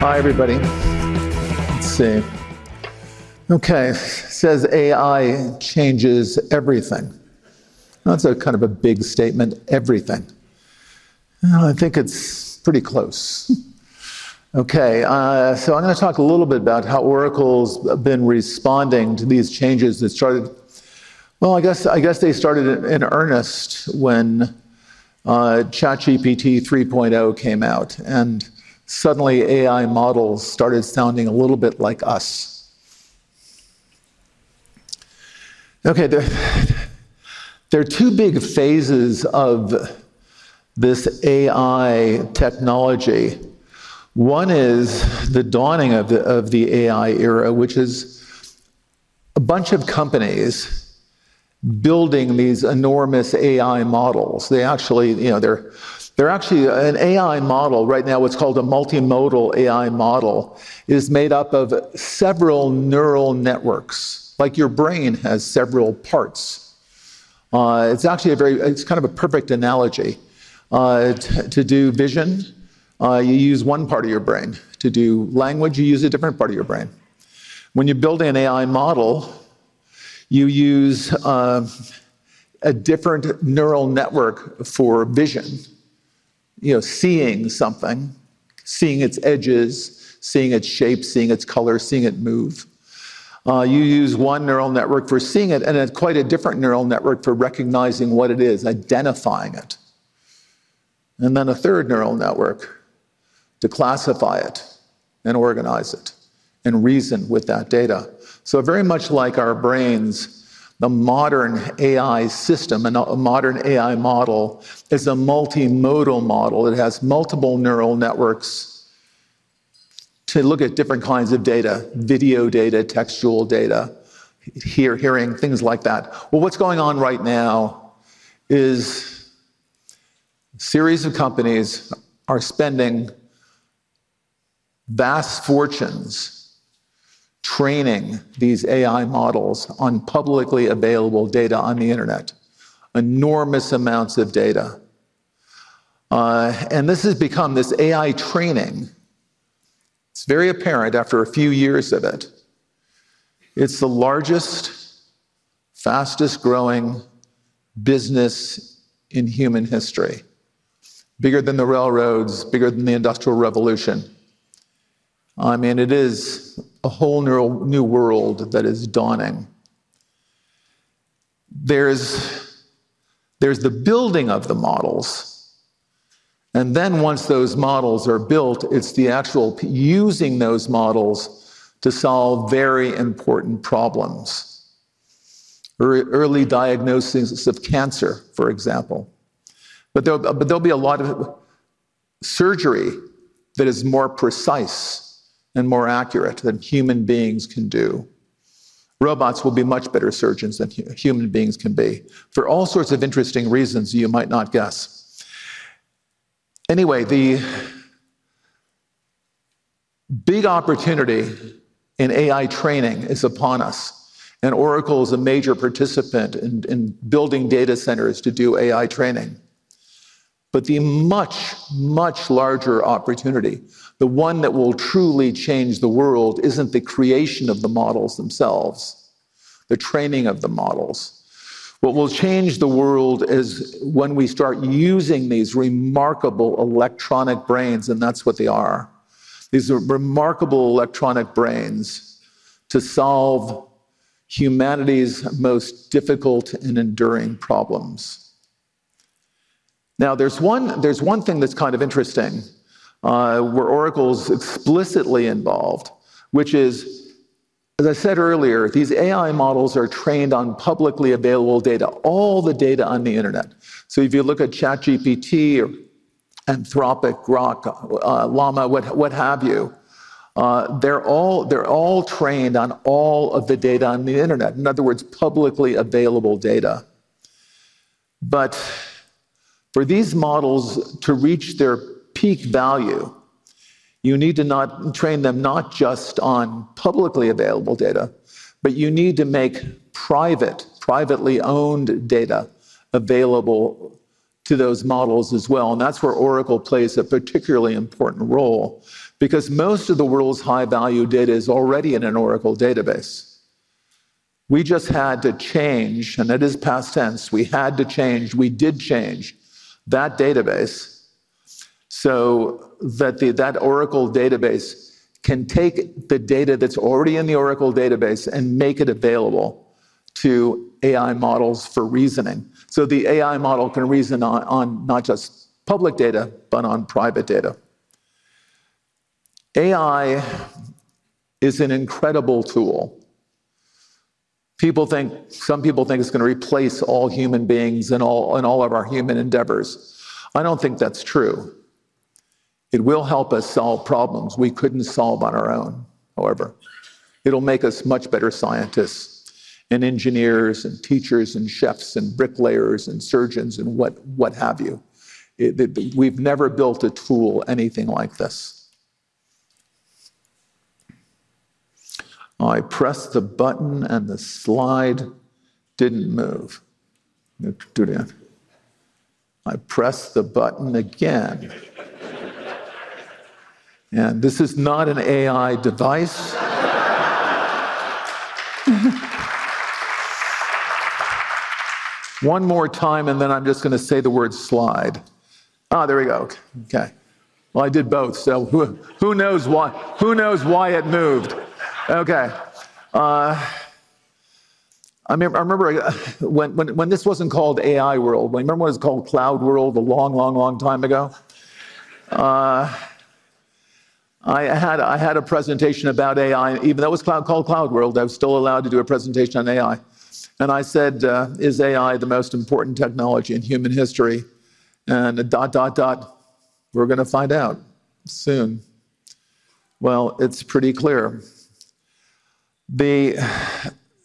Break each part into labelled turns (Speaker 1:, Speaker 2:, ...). Speaker 1: Hi, everybody. Let's see. Okay, says AI changes everything. That's a kind of a big statement. Everything. I think it's pretty close. Okay, I'm going to talk a little bit about how Oracle's been responding to these changes. That started. I guess they started in earnest when ChatGPT 3.0 came out and suddenly AI models started sounding a little bit like us. There are two big phases of this AI technology. One is the dawning of the AI era, which is a bunch of companies building these enormous AI models. They're actually an AI model right now. What's called a multimodal AI model is made up of several neural networks. Like your brain has several parts. It's actually a very, it's kind of a perfect analogy. To do vision, you use one part of your brain. To do language, you use a different part of your brain. When you build an AI model, you use a different neural network for vision. You know, seeing something, seeing its edges, seeing its shape, seeing its color, seeing it move. You use one neural network for seeing it and quite a different neural network for recognizing what it is, identifying it, and then a third neural network to classify it and organize it and reason with that data. Very much like our brains, the modern AI system and a modern AI model is a multimodal model. It has multiple neural networks to look at different kinds of data, video data, textual data, hearing, things like that. What's going on right now is a series of companies are spending vast fortunes training these AI models on publicly available data, on the Internet, enormous amounts of data. This has become this AI training. It's very apparent after a few years of it, it's the largest, fastest growing business in human history. Bigger than the railroads, bigger than the Industrial Revolution. I mean, it is a whole new world that is dawning. There's the building of the models, and once those models are built, it's the actual using those models to solve very important problems. Early diagnosis of cancer, for example. There'll be a lot of surgery that is more precise and more accurate than human beings can do. Robots will be much better surgeons than human beings can be, for all sorts of interesting reasons you might not guess. The big opportunity in AI training is upon us. Oracle is a major participant in building data centers to do AI training. The much, much larger opportunity, the one that will truly change the world, isn't the creation of the models themselves, the training of the models. What will change the world is when we start using these remarkable electronic brains, and that's what they are. These are remarkable electronic brains to solve humanity's most difficult and enduring problems. There's one thing that's kind of interesting, where Oracle's explicitly involved, which is, as I said earlier, these AI models are trained on publicly available data, all the data on the Internet. If you look at ChatGPT or Anthropic, Grok, Llama, what have you, they're all trained on all of the data on the Internet. In other words, publicly available data. For these models to reach their peak value, you need to train them not just on publicly available data, but you need to make private, privately owned data available to those models as well. That's where Oracle plays a particularly important role, because most of the world's high value data is already in an Oracle database. We just had to change, and it is past tense, we had to change. We did change that database so that Oracle database can take the data that's already in the Oracle database and make it available to AI models for reasoning. The AI model can reason on not just public data, but on private data. AI is an incredible tool. Some people think it's going to replace all human beings in all of our human endeavors. I don't think that's true. It will help us solve problems we couldn't solve on our own. However, it will make us much better scientists and engineers and teachers and chefs and bricklayers and surgeons and what have you. We've never built a tool, anything like this. I press the button and the slide didn't move. Do it again. I pressed the button again and this is not an AI device. One more time and then I'm just going to say the word slide. Ah, there we go. Okay, I did both. Who knows why? Who knows why it moved? I remember when this wasn't called AI World. I remember when it was called Cloud World. A long, long, long time ago, I had a presentation about AI. Even though it was called Cloud World, I was still allowed to do a presentation on AI. I said, is AI the most important technology in human history? We're going to find out soon. It's pretty clear the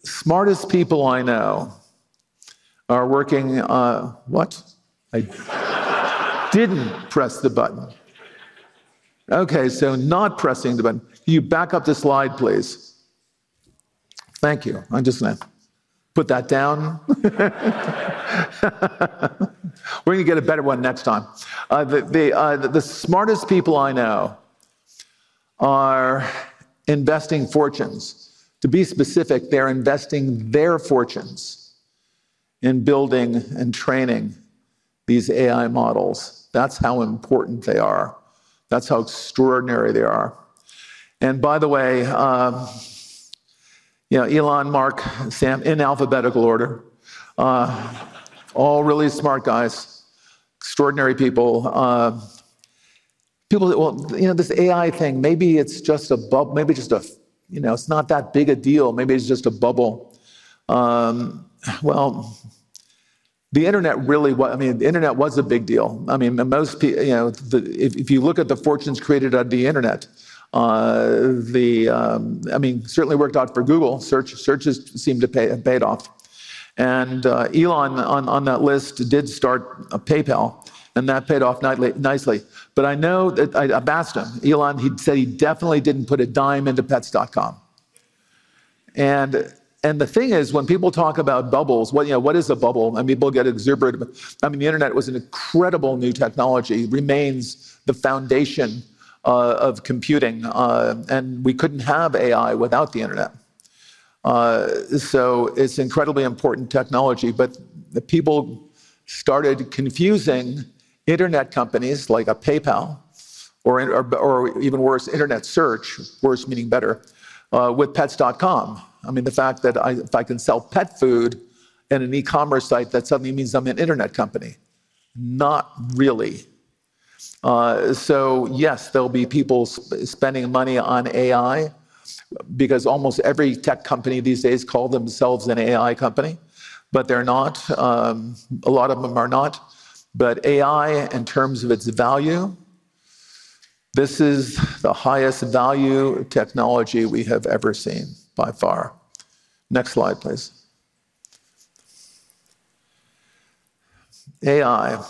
Speaker 1: smartest people I know are working. What? I didn't press the button. Not pressing the button. Can you back up the slide please? Thank you. I'm just going to put that down. We're going to get a better one next time. The smartest people I know are investing fortunes. To be specific, they're investing their fortunes in building and training these AI models. That's how important they are, that's how extraordinary they are. By the way, Elon, Mark, Sam, in alphabetical order, all really smart guys, extraordinary people, people that, you know, this AI thing, maybe it's just a bubble. Maybe it's not that big a deal. Maybe it's just a bubble. The Internet really, I mean, the Internet was a big deal. Most people, you know, if you look at the fortunes created on the Internet, I mean, certainly worked out for Google. Search searches seem to have paid off. Elon on that list did start PayPal and that paid off nicely. I know that I've asked him, Elon, he said he definitely didn't put a dime into pets.com. The thing is, when people talk about bubbles, what is a bubble? People get exuberant. The Internet was an incredible new technology, remains the foundation of computing. We couldn't have AI without the Internet. It's incredibly important technology. People started confusing Internet companies like a PayPal or even worse, Internet search, worse meaning better, with pets.com. I mean, the fact that if I can sell pet food in an e-commerce site, that suddenly means I'm an Internet company. Not really. Yes, there'll be people spending money on AI because almost every tech company these days calls themselves an AI company. They're not. A lot of them are not. AI in terms of its value, this is the highest value technology we have ever seen by far. Next slide, please. AI.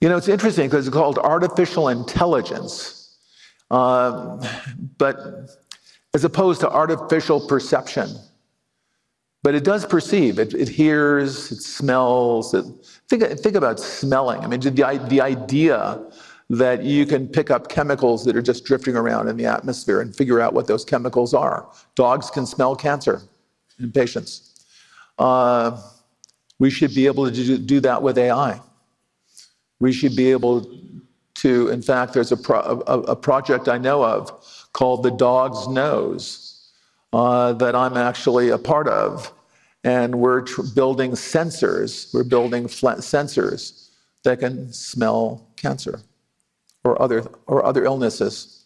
Speaker 1: It's interesting because it's called artificial intelligence, as opposed to artificial perception. It does perceive, it hears, it smells. Think about smelling. The idea that you can pick up chemicals that are just drifting around in the atmosphere and figure out what those chemicals are. Dogs can smell cancer in patients. We should be able to do that with AI. We should be able to. In fact, there's a project I know of called the Dog's Nose that I'm actually a part of. We're building sensors. We're building sensors that can smell cancer or other illnesses.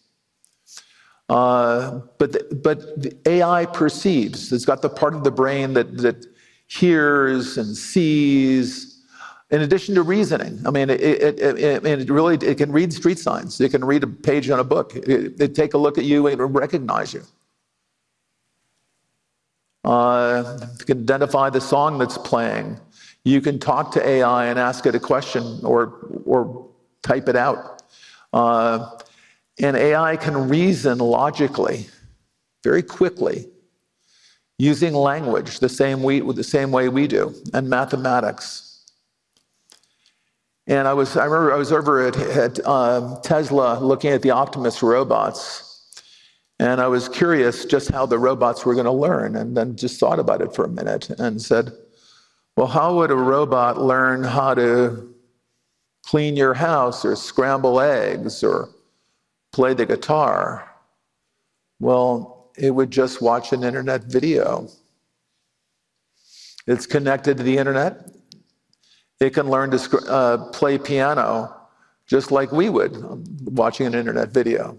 Speaker 1: The AI perceives. It's got the part of the brain that hears and sees in addition to reasoning. It can read street signs, it can read a page on a book. They take a look at you, it'll recognize you, identify the song that's playing. You can talk to AI and ask it a question or type it out. AI can reason logically very quickly using language the same way we do and mathematics. I remember I was over at Tesla looking at the Optimus robots and I was curious just how the robots were going to learn and then just thought about it for a minute and said, how would a robot learn how to clean your house or scramble eggs or play the guitar? It would just watch an Internet video. It's connected to the Internet. It can learn to play piano just like we would watching an Internet video,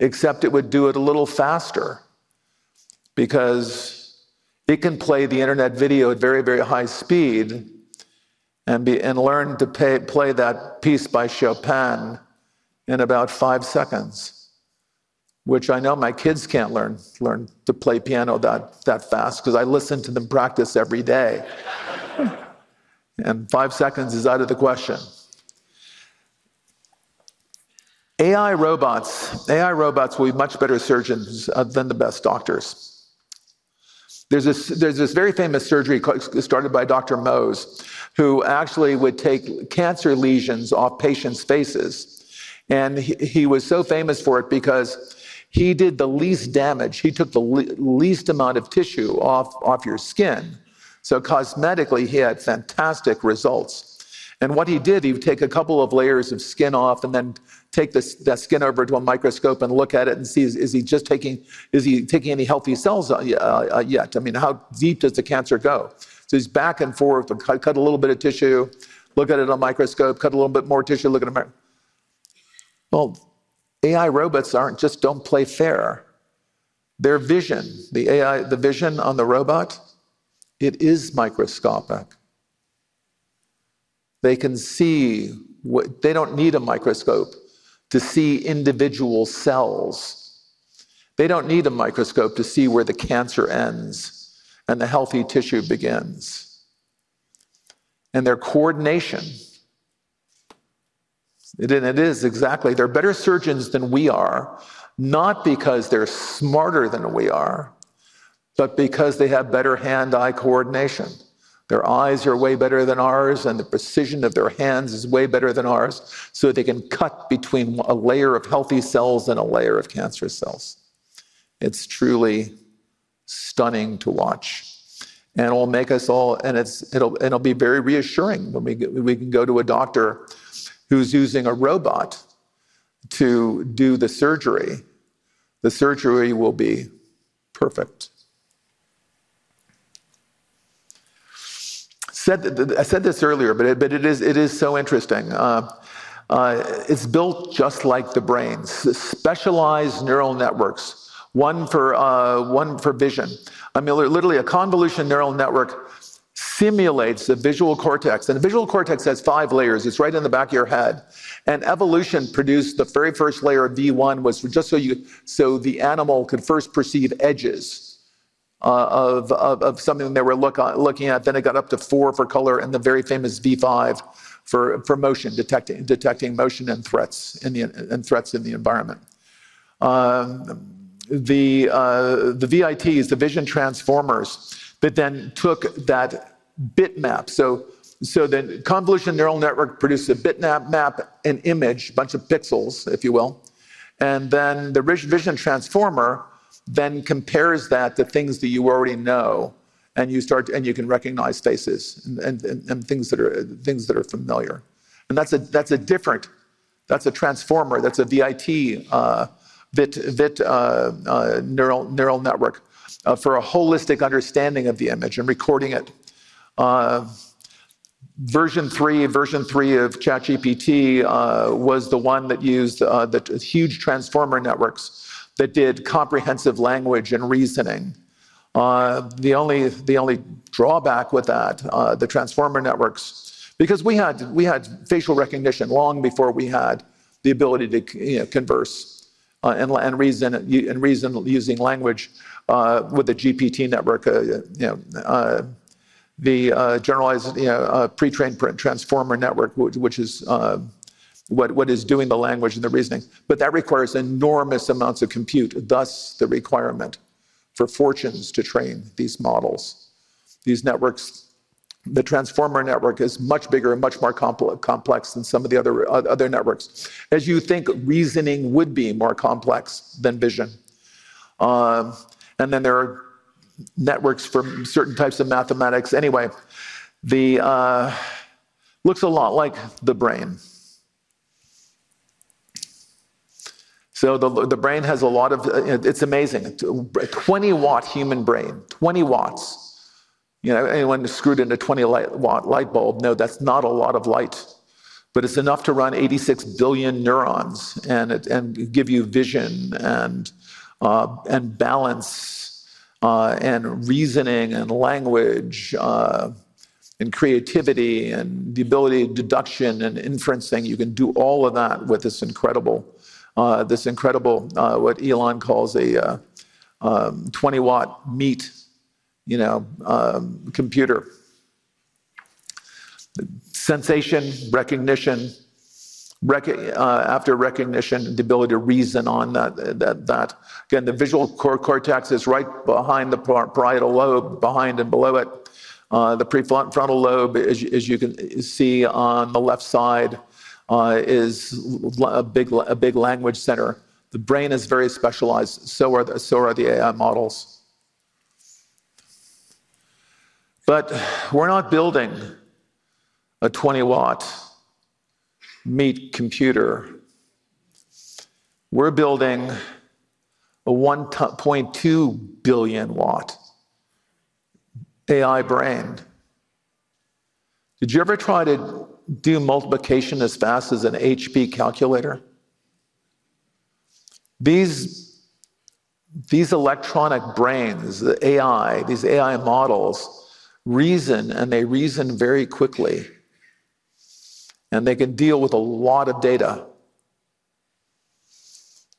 Speaker 1: except it would do it a little faster because it can play the Internet video at very, very high speed and learn to play that piece by Chopin in about five seconds. I know my kids can't learn to play piano that fast because I listen to them practice every day. Five seconds is out of the question. AI robots will be much better surgeons than the best doctors. There's this very famous surgery started by Dr. Mohs who actually would take cancer lesions off patients' faces. He was so famous for it because he did the least damage. He took the least amount of tissue off your skin. Cosmetically he had fantastic results. What he did, he would take a couple of layers of skin off and then take that skin over to a microscope and look at it and see is he taking any healthy cells yet? I mean, how deep does the cancer go? He's back and forth, cut a little bit of tissue, look at it on a microscope, cut a little bit more tissue, look at them. AI robots just don't play fair. Their vision, the AI, the vision on the robot, it is microscopic. They can see. They don't need a microscope to see individual cells. They don't need a microscope to see where the cancer ends and the healthy tissue begins. Their coordination, it is exactly. They're better surgeons than we are, not because they're smarter than we are, but because they have better hand-eye coordination. Their eyes are way better than ours and the precision of their hands is way better than ours. They can cut between a layer of healthy cells and a layer of cancerous cells. It's truly stunning to watch and it will make us all, and it'll be very reassuring when we can go to a doctor who's using a robot to do the surgery. The surgery will be perfect. I said this earlier, but it is so interesting. It's built just like the brain's specialized neural networks, one for vision, literally a convolutional neural network simulates the visual cortex. The visual cortex has five layers. It's right in the back of your head. Evolution produced the very first layer of V1 just so the animal could first perceive edges of something they were looking at. Then it got up to 4 for color and the very famous V5 for detecting motion and threats in the environment. The ViT is the vision transformer that then took that bitmap. The convolutional neural network produces a bitmap, an image, a bunch of pixels if you will. The vision transformer then compares that to things that you already know and you can recognize faces and things that are familiar. That's different. That's a transformer. That's a ViT. ViT neural network for a holistic understanding of the image and recording it. Version 3, version 3 of ChatGPT was the one that used the huge transformer networks that did comprehensive language and reasoning. The only drawback with that, the transformer networks, is because we had facial recognition long before we had the ability to converse and reason using language. With the GPT network, the generalized pre-trained transformer network, which is what is doing the language and the reasoning. That requires enormous amounts of compute. Thus the requirement for fortunes to train these models, these networks. The transformer network is much bigger and much more complex than some of the other networks. As you think, reasoning is more complex than vision. There are networks for certain types of mathematics. Anyway, it looks a lot like the brain. The brain has a lot of—it's amazing, 20 W human brain. 20 W. You know anyone screwed in a 20 W light bulb? No, that's not a lot of light. It's enough to run 86 billion neurons and give you vision and balance and reasoning and language and creativity and the ability of deduction and inferencing. You can do all of that with this incredible, what Elon calls a 20 W meat computer. Sensation, recognition after recognition, the ability to reason on that. Again, the visual cortex is right behind the parietal lobe. Behind and below it, the prefrontal lobe. As you can see, on the left side is a big language center. The brain is very specialized. So are the AI models. We're not building a 20 W meat computer. We're building a 1.2 billion W AI brain. Did you ever try to do multiplication as fast as an HP calculator? These electronic brains, the AI, these AI models reason and they reason very quickly, and they can deal with a lot of data,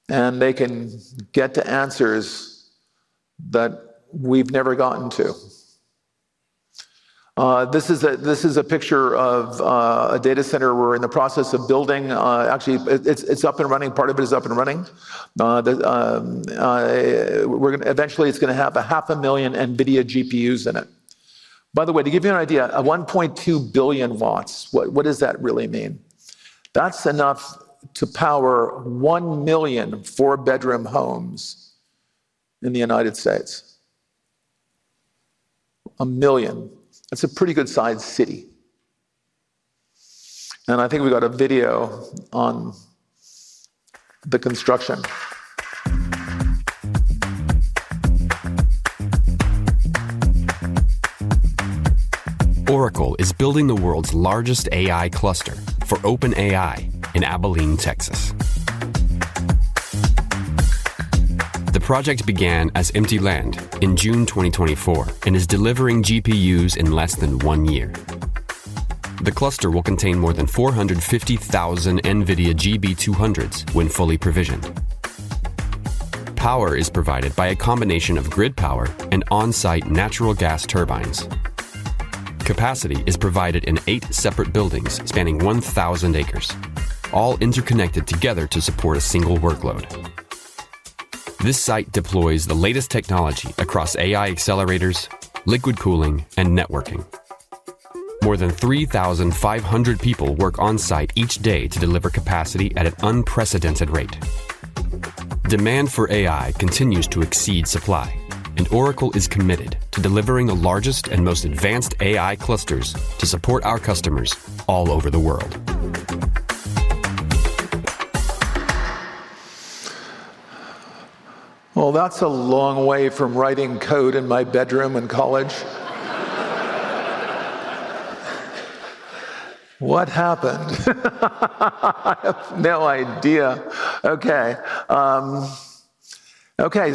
Speaker 1: and they can get to answers that we've never gotten to. This is a picture of a data center we're in the process of building. Actually, it's up and running. Part of it is up and running. Eventually, it's going to have a half a million NVIDIA GPUs in it. By the way, to give you an idea, $1.2 billion W. What does that really mean? That's enough to power 1 million 4-bedroom homes in the United States a million. That's a pretty good sized city. I think we got a video on the construction. Oracle is building the world's largest AI cluster for OpenAI in Abilene, Texas. The project began as empty land in June 2024 and is delivering GPUs in less than one year. The cluster will contain more than 450,000 Nvidia GB200s. When fully provisioned, power is provided by a combination of grid power and on-site natural gas turbines. Capacity is provided in eight separate buildings spanning 1,000 acres, all interconnected together to support a single workload. This site deploys the latest technology across AI accelerators, liquid cooling, and networking. More than 3,500 people work on site each day to deliver capacity at an unprecedented rate. Demand for AI continues to exceed supply. Oracle is committed to delivering the largest and most advanced AI clusters to support our customers all over the world. That's a long way from writing code in my bedroom in college. What happened? I have no idea. Okay, okay,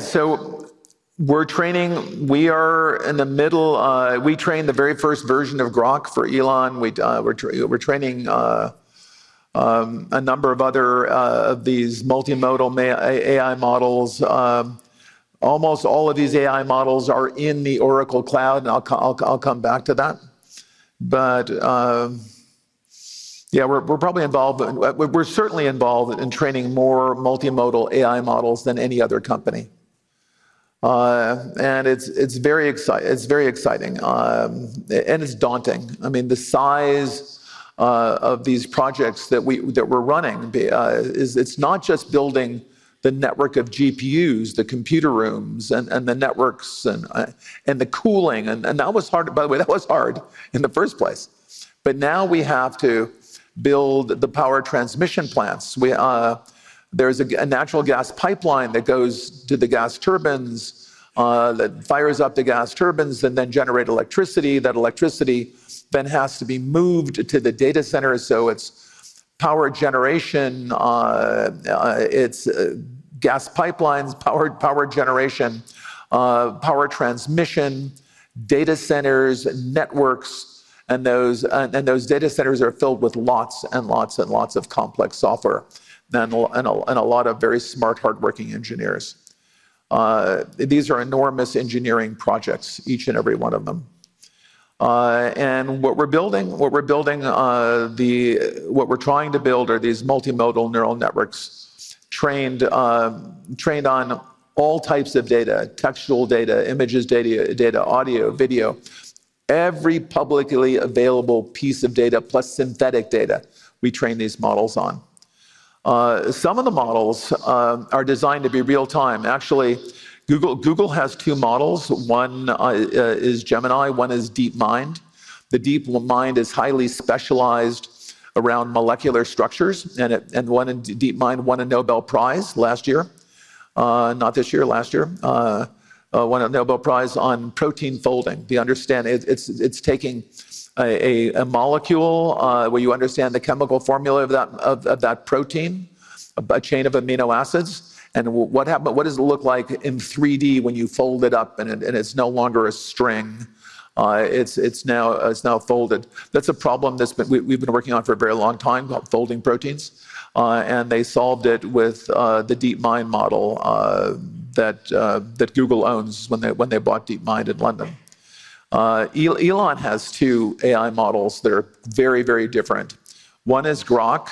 Speaker 1: we're training, we are in the middle. We trained the very first version of Grok for Elon. We're training a number of other of these multimodal AI models. Almost all of these AI models are in the Oracle Cloud. I'll come back to that. We're probably involved, we're certainly involved in training more multimodal AI models than any other company. It's very exciting and it's daunting. I mean, the size of these projects that we're running, it's not just building the network of GPUs, the computer rooms and the networks and the cooling. That was hard, by the way. That was hard in the first place. Now we have to build the power transmission plants. There's a natural gas pipeline that goes to the gas turbines that fires up the gas turbines and then generates electricity. That electricity then has to be moved to the data center. It's power generation, it's gas pipelines, power generation, power transmission, data centers, networks. Those data centers are filled with lots and lots and lots of complex software and a lot of very smart, hardworking engineers. These are enormous engineering projects, each and every one of them. What we're building, what we're building, what we're trying to build are these multimodal neural networks trained on all types of data. Textual data, images, data, audio, video, every publicly available piece of data plus synthetic data we train these models on. Some of the models are designed to be real time. Actually, Google has two models. One is Gemini, one is DeepMind. The DeepMind is highly specialized around molecular structures. One in DeepMind won a Nobel Prize last year. Not this year, last year won a Nobel Prize on protein folding. The understanding, it's taking a molecule where you understand the chemical formula of that protein, a chain of amino acids, and what does it look like in 3D when you fold it up and it's no longer a string, it's now folded. That's a problem that we've been working on for a very long time called folding proteins. They solved it with the DeepMind model that Google owns when they bought DeepMind in London. Elon has two AI models that are very, very different. One is Grok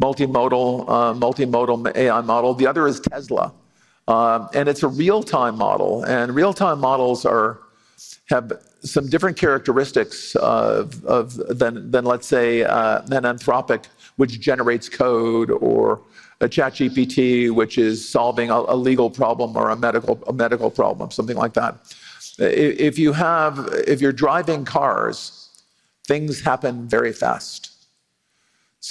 Speaker 1: multimodal AI model, the other is Tesla and it's a real time model. Real time models have some different characteristics than, let's say, an anthropic which generates code, or a ChatGPT, which is solving a legal problem or a medical problem, something like that. If you're driving cars, things happen very fast.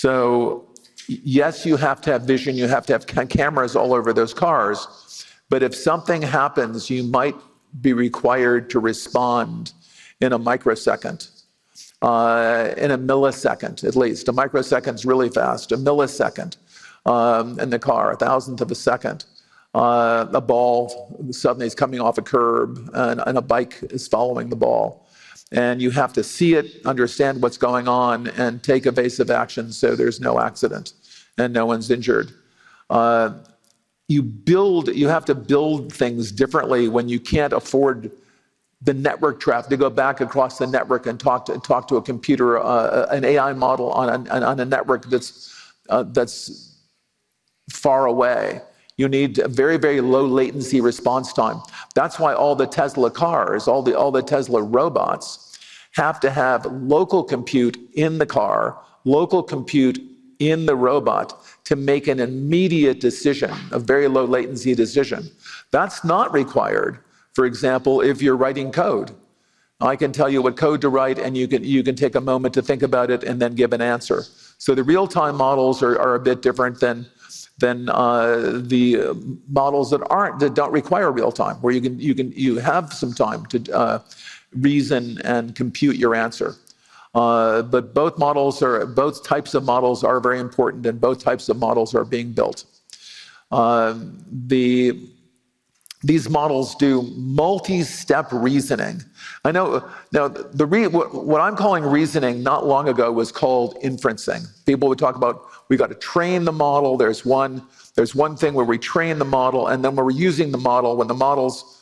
Speaker 1: You have to have vision, you have to have cameras all over those cars. If something happens, you might be required to respond in a microsecond, in a millisecond at least. A microsecond is really fast. A millisecond in the car, a thousandth of a second. A ball suddenly is coming off a curb and a bike is following the ball and you have to see it, understand what's going on, and take evasive action so there's no accident and no one's injured. You have to build things differently. When you can't afford the network traffic to go back across the network and talk to a computer, an AI model on a network that's far away, you need very, very low latency response time. That's why all the Tesla cars, all the Tesla robots have to have local compute in the car, local compute in the robot to make an immediate decision, a very low latency decision that's not required. For example, if you're writing code, I can tell you what code to write and you can take a moment to think about it and then give an answer. The real time models are a bit different than the models that don't require real time, where you have some time to reason and compute your answer. Both types of models are very important and both types of models are being built. These models do multi step reasoning. What I'm calling reasoning, not long ago was called inferencing. People would talk about we got to train the model. There's one thing where we train the model and then when we're using the model, when the model's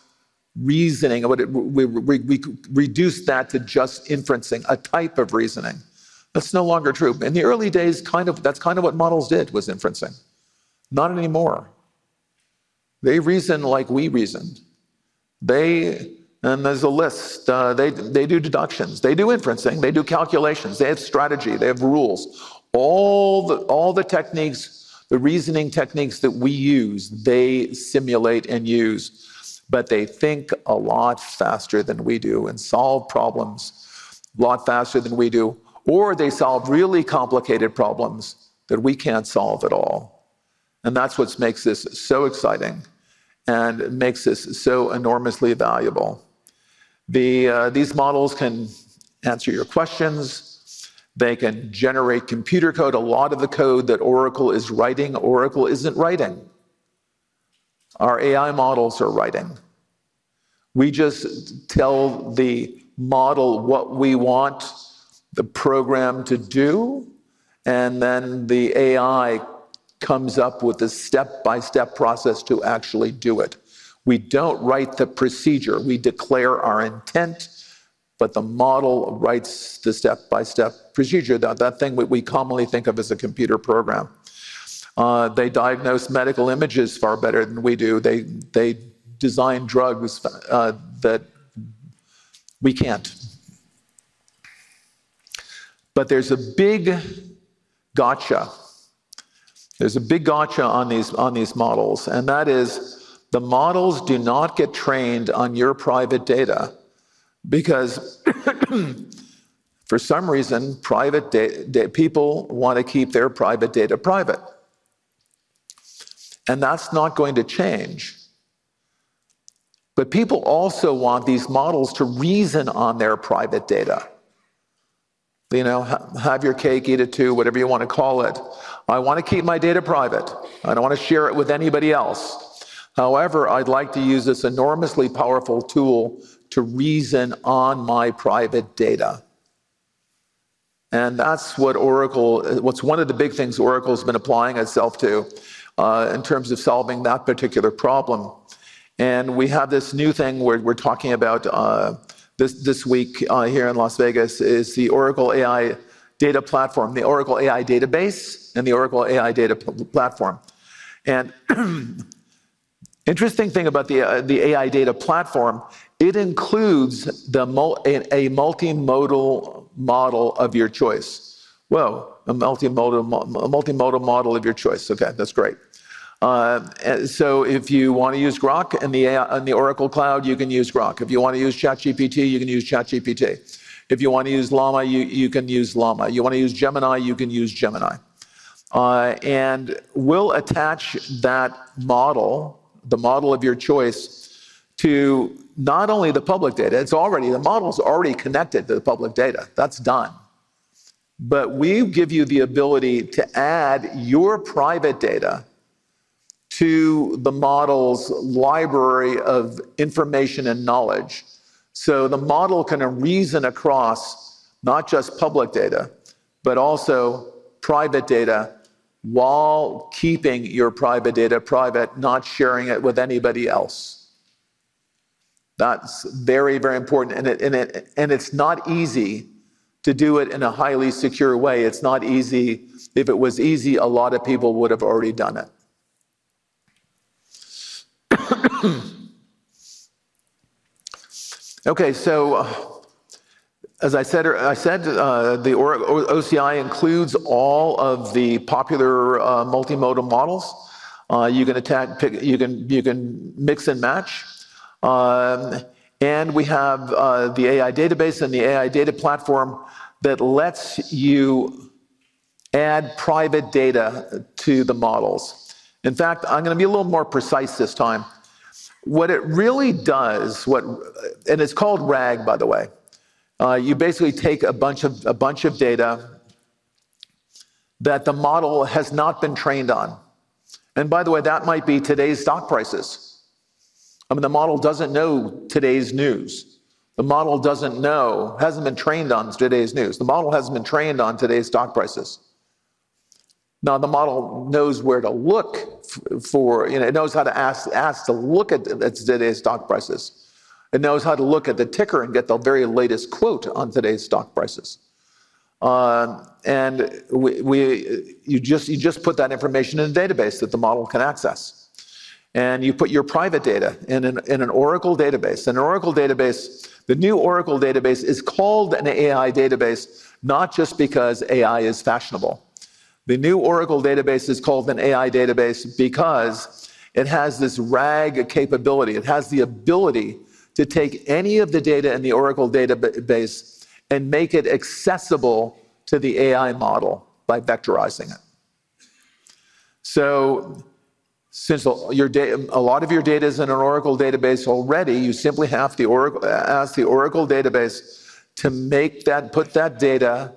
Speaker 1: reasoning, we reduce that to just inferencing, a type of reasoning. That's no longer true. In the early days, that's kind of what models did, was inferencing. Not anymore. They reason like we reasoned. There's a list. They do deductions, they do inferencing, they do calculations, they have strategy, they have rules. All the techniques, the reasoning techniques that we use, they simulate and use. They think a lot faster than we do and solve problems a lot faster than we do, or they solve really complicated problems that we can't solve at all. That's what makes this so exciting and makes this so enormously valuable. These models can answer your questions. They can generate computer code. A lot of the code that Oracle is writing, Oracle isn't writing. Our AI models are writing. We just tell the model what we want the program to do, and then the AI comes up with a step-by-step process to actually do it. We don't write the procedure, we declare our intent, but the model writes the step-by-step procedure. That thing we commonly think of as a computer program. They diagnose medical images far better than we do. They design drugs that we can't. There is a big gotcha on these models, and that is the models do not get trained on your private data because for some reason private people want to keep their private data private. That's not going to change. People also want these models to reason on their private data. You know, have your cake, eat it too, whatever you want to call it. I want to keep my data private. I don't want to share it with anybody else. However, I'd like to use this enormously powerful tool to reason on my private data. That's one of the big things Oracle has been applying itself to in terms of solving that particular problem, and we have this new thing we're talking about this week here in Las Vegas: the Oracle AI Data Platform, the Oracle AI Database in the Oracle AI Data Platform. An interesting thing about the AI Data Platform is it includes a multimodal model of your choice. Whoa. A multimodal model of your choice. That's great. If you want to use Grok in the Oracle Cloud, you can use Grok. If you want to use ChatGPT, you can use ChatGPT. If you want to use Llama, you can use Llama. If you want to use Gemini, you can use Gemini. We'll attach that model, the model of your choice, to not only the public data—the model's already connected to the public data, that's done—but we give you the ability to add your private data to the model's library of information and knowledge. The model can reason across not just public data, but also private data while keeping your private data private, not sharing it with anybody else. That's very, very important. It's not easy to do it in a highly secure way. It's not easy. If it was easy, a lot of people would have already done it. As I said, the OCI includes all of the popular multimodal models you can mix and match, and we have the AI Database and the AI Data Platform that lets you add private data to the models. In fact, I'm going to be a little more precise this time, what it really does, and it's called RAG, by the way. You basically take a bunch of data that the model has not been trained on. By the way, that might be today's stock prices. I mean, the model doesn't know today's news. The model hasn't been trained on today's news. The model hasn't been trained on today's stock prices. Now, the model knows where to look for it, it knows how to ask to look at today's stock prices. It knows how to look at the ticker and get the very latest quote on today's stock prices. You just put that information in a database that the model can access, and you put your private data in an Oracle database. The new Oracle database is called an AI database, not just because AI is fashionable. The new Oracle database is called an AI database because it has this RAG capability. It has the ability to take any of the data in the Oracle database and make it accessible to the AI model by vectorizing it. Since a lot of your data is in an Oracle database already, you simply ask the Oracle database to put that data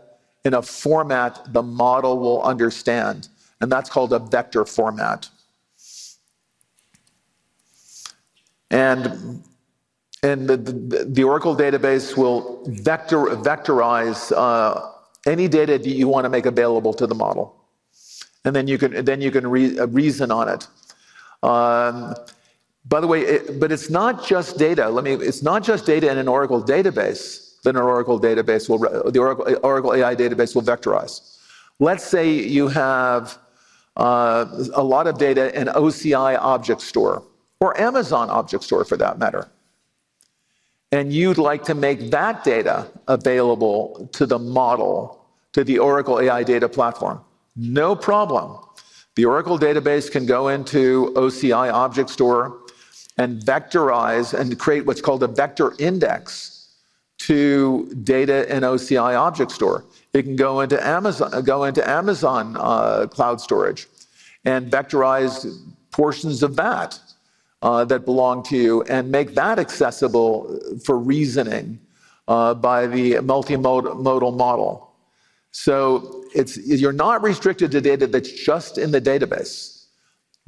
Speaker 1: in a format the model will understand, and that's called a vector format. The Oracle database will vectorize any data that you want to make available to the model. Then you can reason on it, by the way, but it's not just data. It's not just data in an Oracle database that the Oracle AI database will vectorize. Let's say you have a lot of data in OCI Object Store or Amazon Object Store for that matter, and you'd like to make that data available to the model, to the Oracle AI Data Platform, no problem. The Oracle database can go into OCI Object Store and vectorize and create what's called a vector index to data in OCI Object Store. It can go into Amazon cloud storage and vectorize portions of that that belong to you and make that accessible for reasoning by the multimodal model. You're not restricted to data that's just in the database.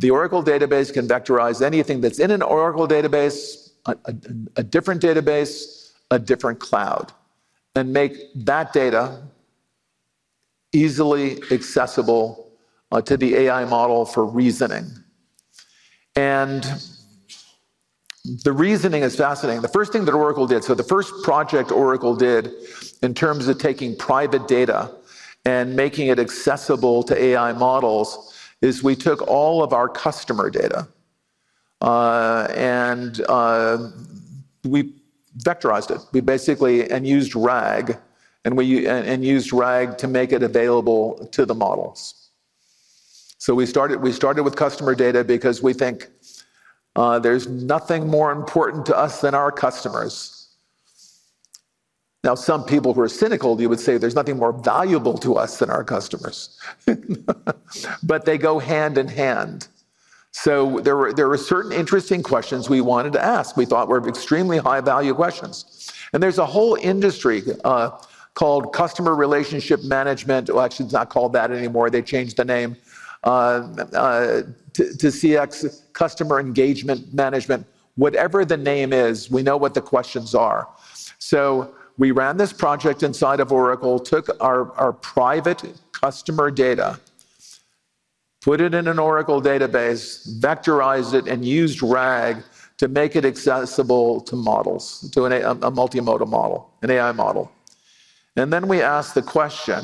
Speaker 1: The Oracle database can vectorize anything that's in an Oracle database, a different database, a different cloud, and make that data easily accessible to the AI model for reasoning. The reasoning is fascinating. The first thing that Oracle did, the first project Oracle did in terms of taking private data and making it accessible to AI models is we took all of our customer data and we vectorized it. We basically used RAG and used RAG to make it available to the models. We started with customer data because we think there's nothing more important to us than our customers. Some people who are cynical would say there's nothing more valuable to us than our customers, but they go hand in hand. There were certain interesting questions we wanted to ask, we thought were extremely high value questions. There's a whole industry called Customer Relationship Management. Actually, it's not called that anymore. They changed the name to CX Customer Engagement Management. Whatever the name is, we know what the questions are. We ran this project inside of Oracle, took our private customer data, put it in an Oracle database, vectorized it, and used RAG to make it accessible to models, to a multimodal model, an AI model. We asked the question,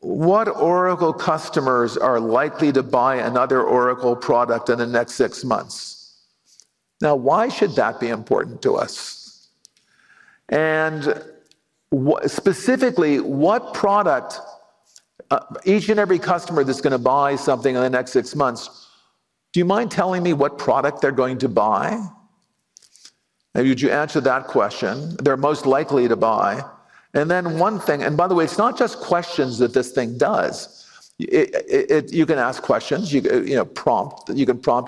Speaker 1: what Oracle customers are likely to buy another Oracle product in the next six months. Why should that be important to us? Specifically, what product? Each and every customer that's going to buy something in the next six months. Do you mind telling me what product they're going to buy? Would you answer that question? They're most likely to buy. One thing, and by the way, it's not just questions that this thing does. You can ask questions, you can prompt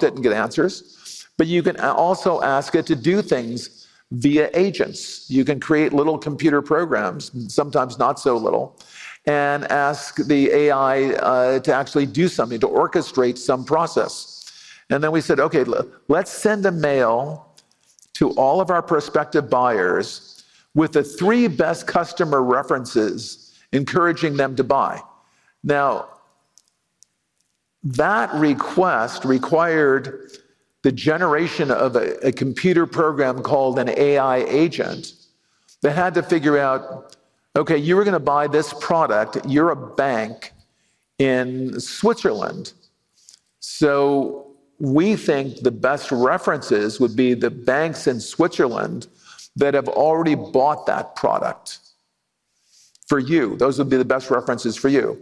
Speaker 1: it and get answers, but you can also ask it to do things via agents. You can create little computer programs, sometimes not so little, and ask the AI to actually do something to orchestrate some process. We said, okay, let's send a mail to all of our prospective buyers with the three best customer references encouraging them to buy. That request required the generation of a computer program called an AI agent that had to figure out, okay, you were going to buy this product, you're a bank in Switzerland, so we think the best references would be the banks in Switzerland that have already bought that product for you. Those would be the best references for you.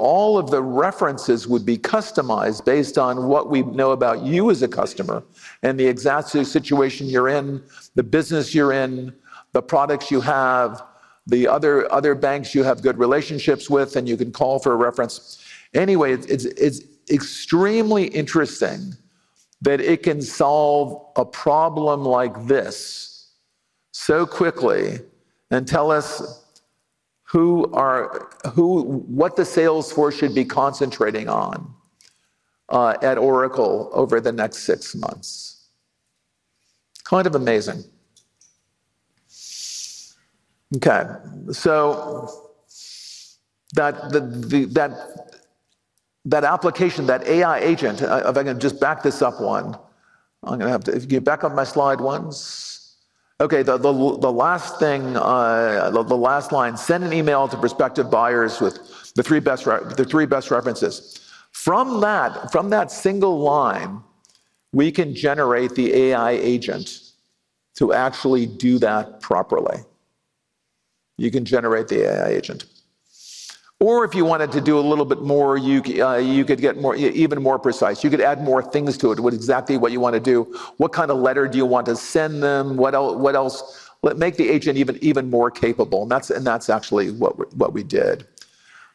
Speaker 1: All of the references would be customized based on what we know about you as a customer and the exact situation you're in, the business you're in, the products you have, the other banks you have good relationships with and you can call for a reference. It's extremely interesting that it can solve a problem like this so quickly and tell us what the sales force should be concentrating on at Oracle over the next six months. Kind of amazing. Okay, so that application, that AI agent, if I can just back this up one, I'm going to have to get back up my slide once. Okay, the last thing, the last line. Send an email to prospective buyers with the three best references. From that single line, we can generate the AI agent. To actually do that properly, you can generate the AI agent, or if you wanted to do a little bit more, you could get even more precise, you could add more things to it, exactly what you want to do. What kind of letter do you want to send them? What else? Make the agent even more capable. That's actually what we did.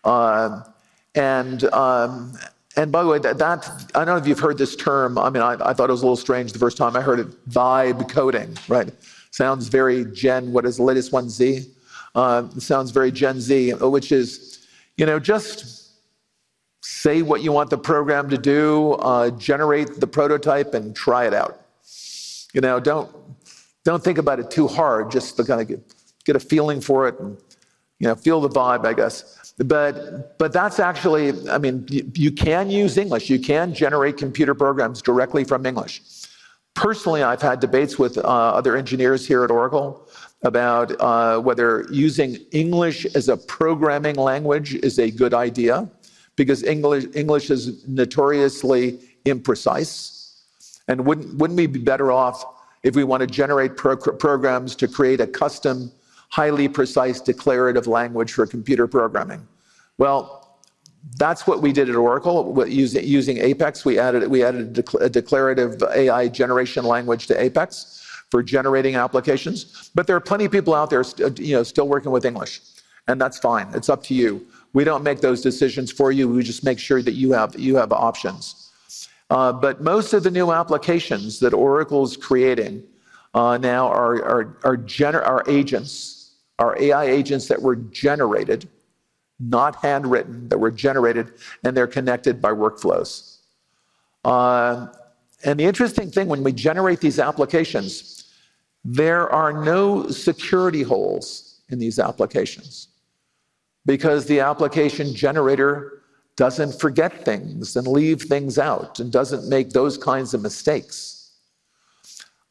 Speaker 1: By the way, I don't know if you've heard this term. I thought it was a little strange the first time I heard it. Vibe coding sounds very Gen Z. What is the latest one? Z. Sounds very Gen Z, which is just say what you want the program to do, generate the prototype and try it out. You know, don't think about it too hard, just to kind of get a feeling for it and, you know, feel the vibe, I guess. That's actually. I mean, you can use English. You can generate computer programs directly from English. Personally, I've had debates with other engineers here at Oracle about whether using English as a programming language is a good idea, because English is notoriously imprecise. Wouldn't we be better off if we want to generate programs to create a custom, highly precise declarative language for computer programming? That's what we did at Oracle using APEX. We added a declarative AI generation language to APEX for generating applications. There are plenty of people out there still working with English, and that's fine. It's up to you, we don't make those decisions for you, we just make sure that you have options. Most of the new applications that Oracle is creating now are agents, are AI agents that were generated, not handwritten, that were generated and they're connected by workflows. The interesting thing, when we generate these applications, there are no security holes in these applications because the application generator doesn't forget things and leave things out and doesn't make those kinds of mistakes.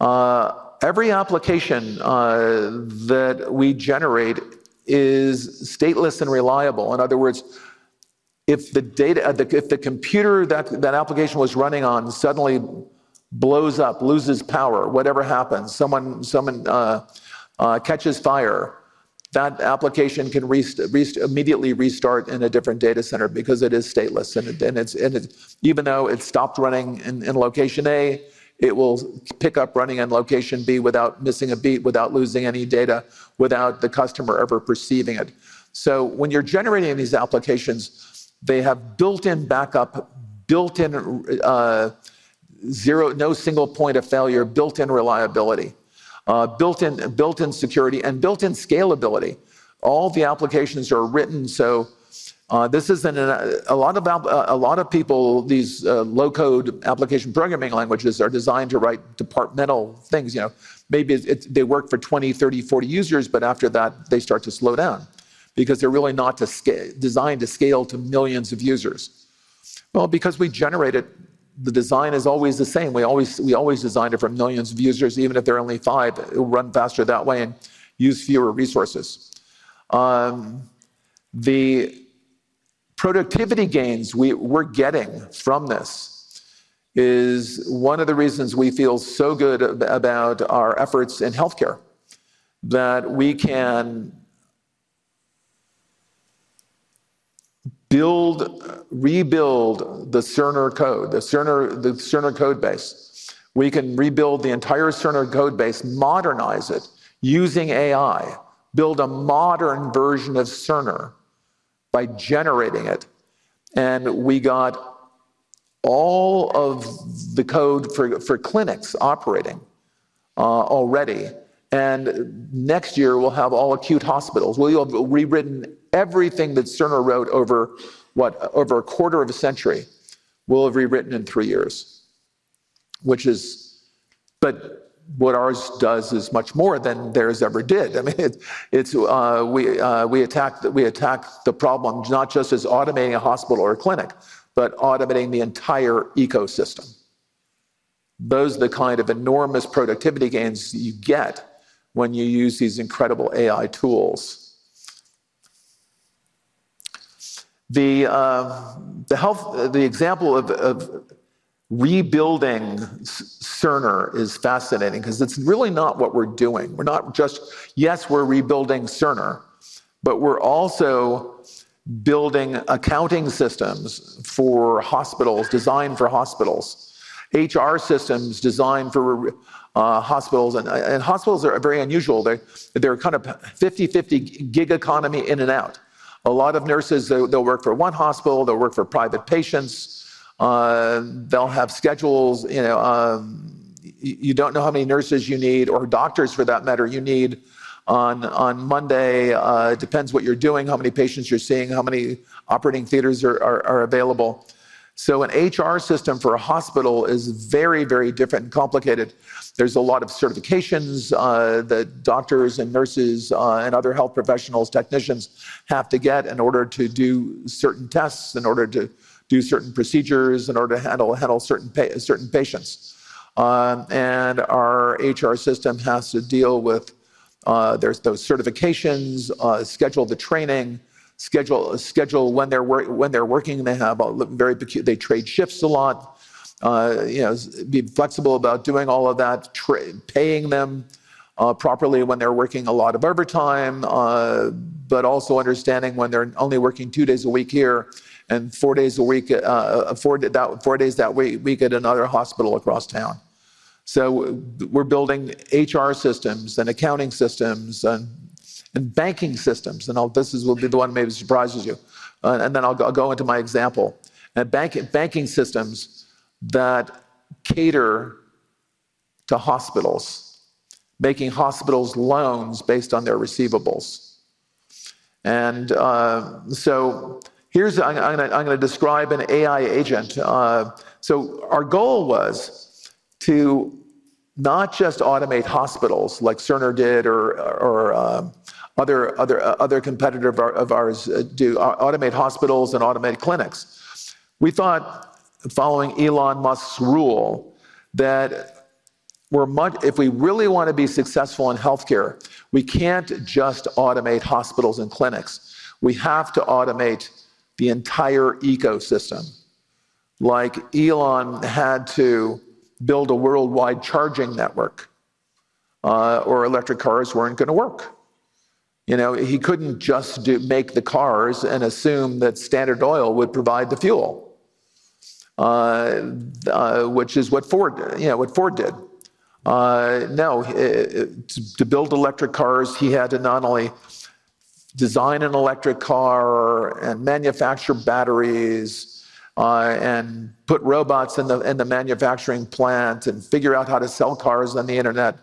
Speaker 1: Every application that we generate is stateless and reliable. In other words, if the computer that application was running on suddenly blows up, loses power, whatever happens, someone catches fire, that application can immediately restart in a different data center because it is stateless. Even though it stopped running in location A, it will pick up running in location B without missing a beat, without losing any data, without the customer ever perceiving it. When you're generating these applications, they have built-in backup, built-in zero, no single point of failure, built-in reliability, built-in security, and built-in scalability. All the applications are written, so this isn't a lot of people. These low code application programming languages are designed to write departmental things. Maybe they work for 20, 30, 40 users, but after that they start to slow down because they're really not designed to scale to millions of users. Because we generated, the design is always the same. We always designed it for millions of users, even if there are only five. It will run faster that way and use fewer resources. The productivity gains we're getting from this is one of the reasons we feel so good about our efforts in healthcare, that we can rebuild the Cerner code, the Cerner code base. We can rebuild the entire Cerner code base, modernize it using AI, build a modern version of Cerner by generating it. We got all of the code for clinics operating already. Next year we'll have all acute hospitals. We have rewritten everything that Cerner wrote over what, over a quarter of a century, will have rewritten in three years. What ours does is much more than theirs ever did. We attack the problem not just as automating a hospital or a clinic, but automating the entire ecosystem. Those are the kind of enormous productivity gains you get when you use these incredible AI tools. The example of rebuilding Cerner is fascinating because it's really not what we're doing. We're not just, yes, we're rebuilding Cerner, but we're also building accounting systems for hospitals designed for hospitals. HR systems designed for hospitals, and hospitals are very unusual. They're kind of 50, 50 gig economy, in and out. A lot of nurses, they'll work for one hospital, they'll work for private patients, they'll have schedules. You don't know how many nurses you need, or doctors for that matter, you need on Monday. It depends what you're doing, how many patients you're seeing, how many operating theaters are available. An HR system for a hospital is very, very different, complicated. There are a lot of certifications that doctors, nurses, and other health professionals, technicians have to get in order to do certain tests, in order to do certain procedures, in order to handle certain patients. Our HR system has to deal with those certifications, schedule the training, schedule when they're working. They have very peculiar schedules. They trade shifts a lot, be flexible about doing all of that, paying them properly when they're working, a lot of overtime, but also understanding when they're only working two days a week here and four days that week at another hospital across town. We're building HR systems, accounting systems, and banking systems. This will be the one that maybe surprises you. I'll go into my example and banking systems that cater to hospitals, making hospitals loans based on their receivables. I'm going to describe an AI agent. Our goal was to not just automate hospitals like Cerner did or another competitor of ours, automate hospitals and automate clinics. We thought, following Elon Musk's rule, that if we really want to be successful in healthcare, we can't just automate hospitals and clinics. We have to automate the entire ecosystem. Like Elon had to build a worldwide charging network or electric cars weren't going to work. He couldn't just make the cars and assume that Standard Oil would provide the fuel, which is what Ford did. To build electric cars, he had to not only design an electric car and manufacture batteries and put robots in the manufacturing plant and figure out how to sell cars on the Internet.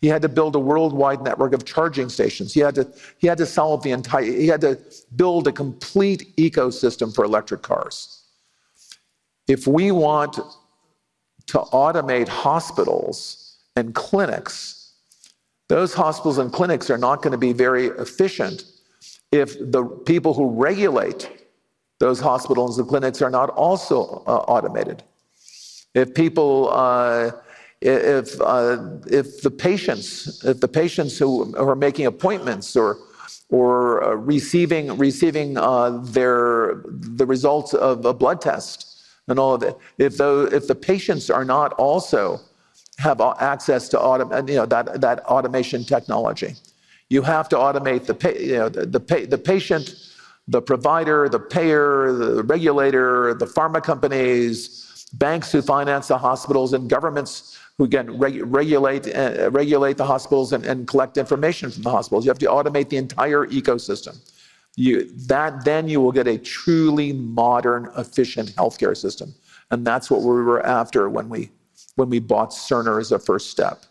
Speaker 1: He had to build a worldwide network of charging stations. He had to solve the entire problem. He had to build a complete ecosystem for electric cars. If we want to automate hospitals and clinics, those hospitals and clinics are not going to be very efficient if the people who regulate those hospitals and clinics are not also automated. If the patients who are making appointments or receiving the results of a blood test, and all of it, if the patients are not also have access to that automation technology. You have to automate the patient, the provider, the payer, the regulator, the pharma companies, banks who finance the hospitals, and governments who can regulate the hospitals and collect information from the hospitals. You have to automate the entire ecosystem, then you will get a truly modern, efficient healthcare system. That's what we were after when we bought Cerner. As a first step,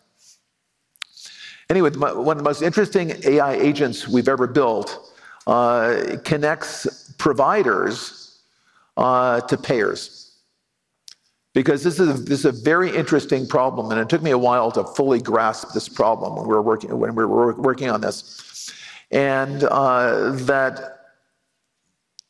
Speaker 1: anyway. One of the most interesting AI agents we've ever built connects providers to payers. This is a very interesting problem and it took me a while to fully grasp this problem when we were working on this and that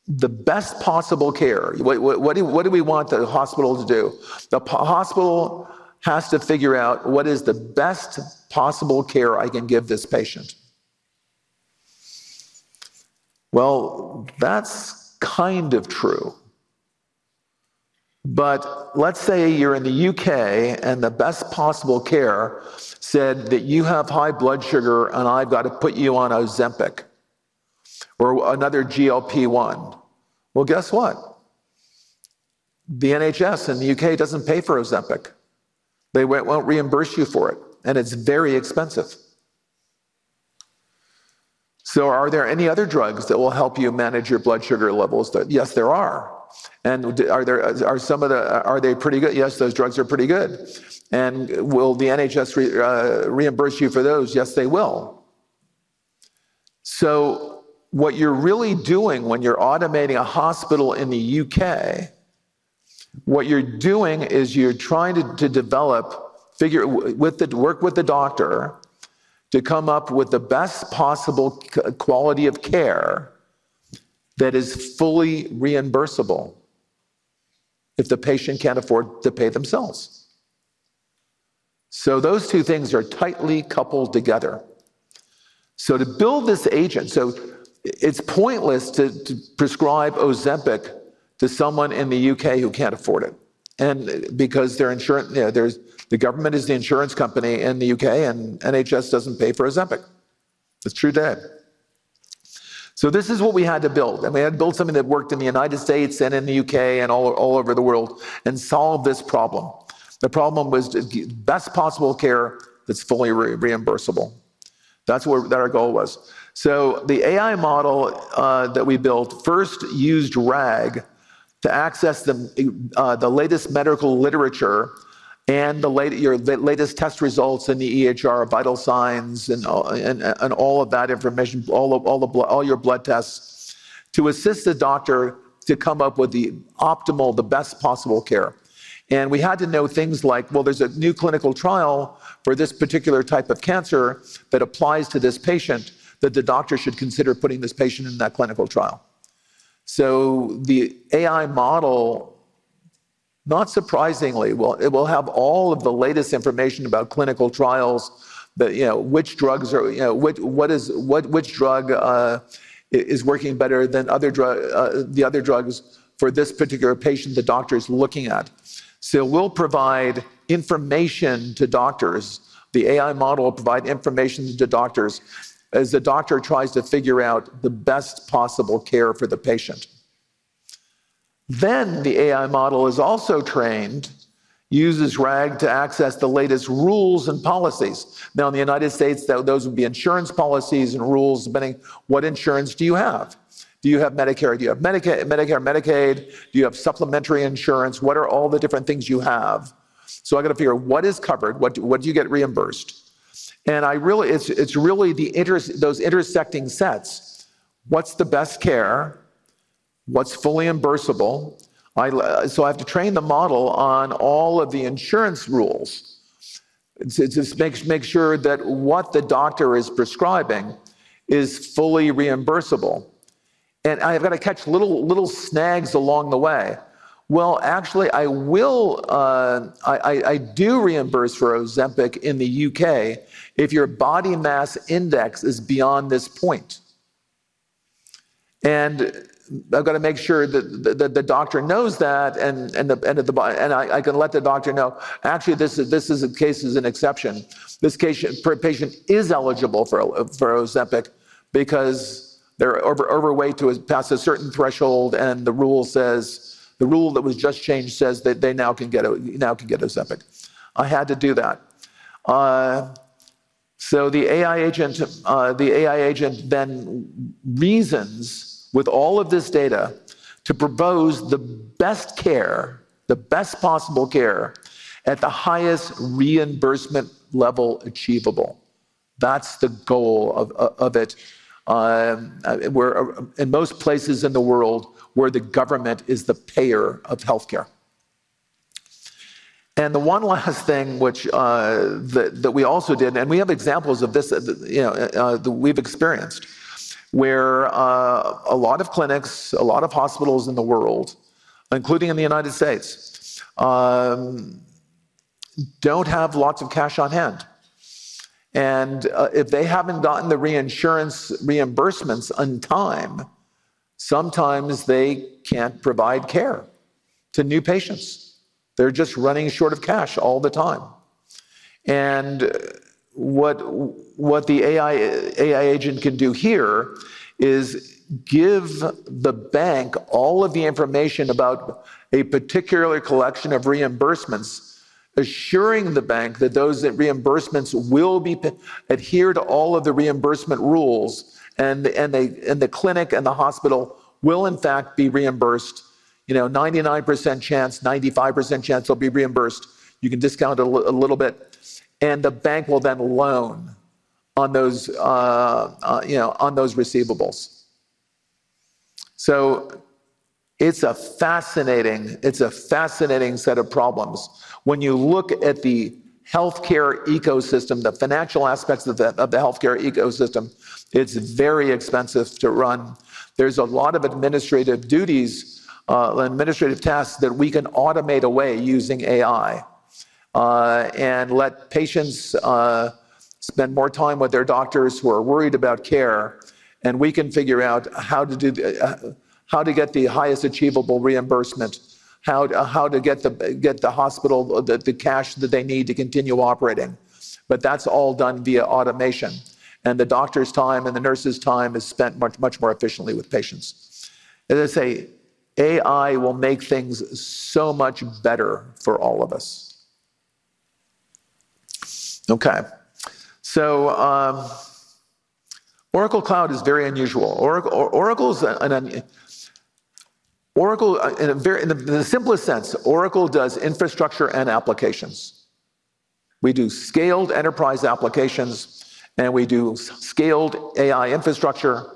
Speaker 1: the best possible care. What do we want the hospital to do? The hospital has to figure out what is the best possible care I can give this patient. That's kind of true, but let's say you're in the UK and the best possible care said that you have high blood sugar and I've got to put you on Ozempic or another GLP1. Guess what? The NHS in the UK doesn't pay for Ozempic, they won't reimburse you for it, and it's very expensive. Are there any other drugs that will help you manage your blood sugar levels? Yes, there are. Are they pretty good? Yes, those drugs are pretty good. Will the NHS reimburse you for those? Yes, they will. What you're really doing when you're automating a hospital in the UK, what you're doing is you're trying to develop, figure, work with the doctor to come up with the best possible quality of care that is fully reimbursable if the patient can't afford to pay themselves. Those two things are tightly coupled together. To build this agent, it's pointless to prescribe Ozempic to someone in the UK who can't afford it, because the government is the insurance company in the UK and NHS doesn't pay for Ozempic. It's true today. This is what we had to build, and we had to build something that worked in the United States and in the UK and all over the world and solve this problem. The problem was best possible care that's fully reimbursable. That's what our goal was. The AI model that we built first used RAG to access the latest medical literature and your latest test results in the EHR, vital signs and all of that information, all your blood tests, to assist the doctor to come up with the optimal, the best possible care. We had to know things like, there's a new clinical trial for this particular type of cancer that applies to this patient, that the doctor should consider putting this patient in that clinical trial. The AI model, not surprisingly, it will have all of the latest information about clinical trials, which drugs, which drug is working better than the other drugs for this particular patient the doctor is looking at. We'll provide information to doctors, the AI model will provide information to doctors. As the doctor tries to figure out the best possible care for the patient, the AI model is also trained, uses RAG to access the latest rules and policies. Now, in the United States, those would be insurance policies and rules depending on what insurance you have. Do you have Medicare? Do you have Medicare, Medicaid? Do you have supplementary insurance? What are all the different things you have? I've got to figure out what is covered, what you get reimbursed. It's really those intersecting sets. What's the best care, what's fully reimbursable? I have to train the model on all of the insurance rules, just make sure that what the doctor is prescribing is fully reimbursable. I've got to catch little snags along the way. Actually, I do reimburse for Ozempic in the U.K. if your body mass index is beyond this point, and I've got to make sure that the doctor knows that. I can let the doctor know, actually this case is an exception. This patient is eligible for Ozempic because they're overweight to pass a certain threshold, and the rule that was just changed says that they now can get Ozempic. I had to do that. The AI agent then reasons with all of this data to propose the best care, the best possible care, at the highest reimbursement level achievable. That's the goal of it in most places in the world where the government is the payer of healthcare. One last thing that we also did, and we have examples of this that we've experienced, where a lot of clinics, a lot of hospitals in the world, including in the United States, have lots of cash on hand. If they haven't gotten the reinsurance reimbursements on time, sometimes they can't provide care to new patients. They're just running short of cash all the time. What the AI agent can do here is give the bank all of the information about a particular collection of reimbursements, assuring the bank that those reimbursements will adhere to all of the reimbursement rules and the clinic and the hospital will in fact be reimbursed. 99% chance, 95% chance they'll be reimbursed. You can discount a little bit and the bank will then loan on those receivables. It's a fascinating set of problems. When you look at the healthcare ecosystem, the financial aspects of the healthcare ecosystem, it's very expensive to run. There's a lot of administrative duties, administrative tasks that we can automate away using AI and let patients spend more time with their doctors who are worried about care. We can figure out how to get the highest achievable reimbursement, how to get the hospital the cash that they need to continue operating. That's all done via automation. The doctor's time and the nurse's time is spent much, much more efficiently with patients. As I say, AI will make things so much better for all of us. Oracle Cloud is very unusual. Oracle, in the simplest sense, does infrastructure and applications. We do scaled enterprise applications and we do scaled AI infrastructure.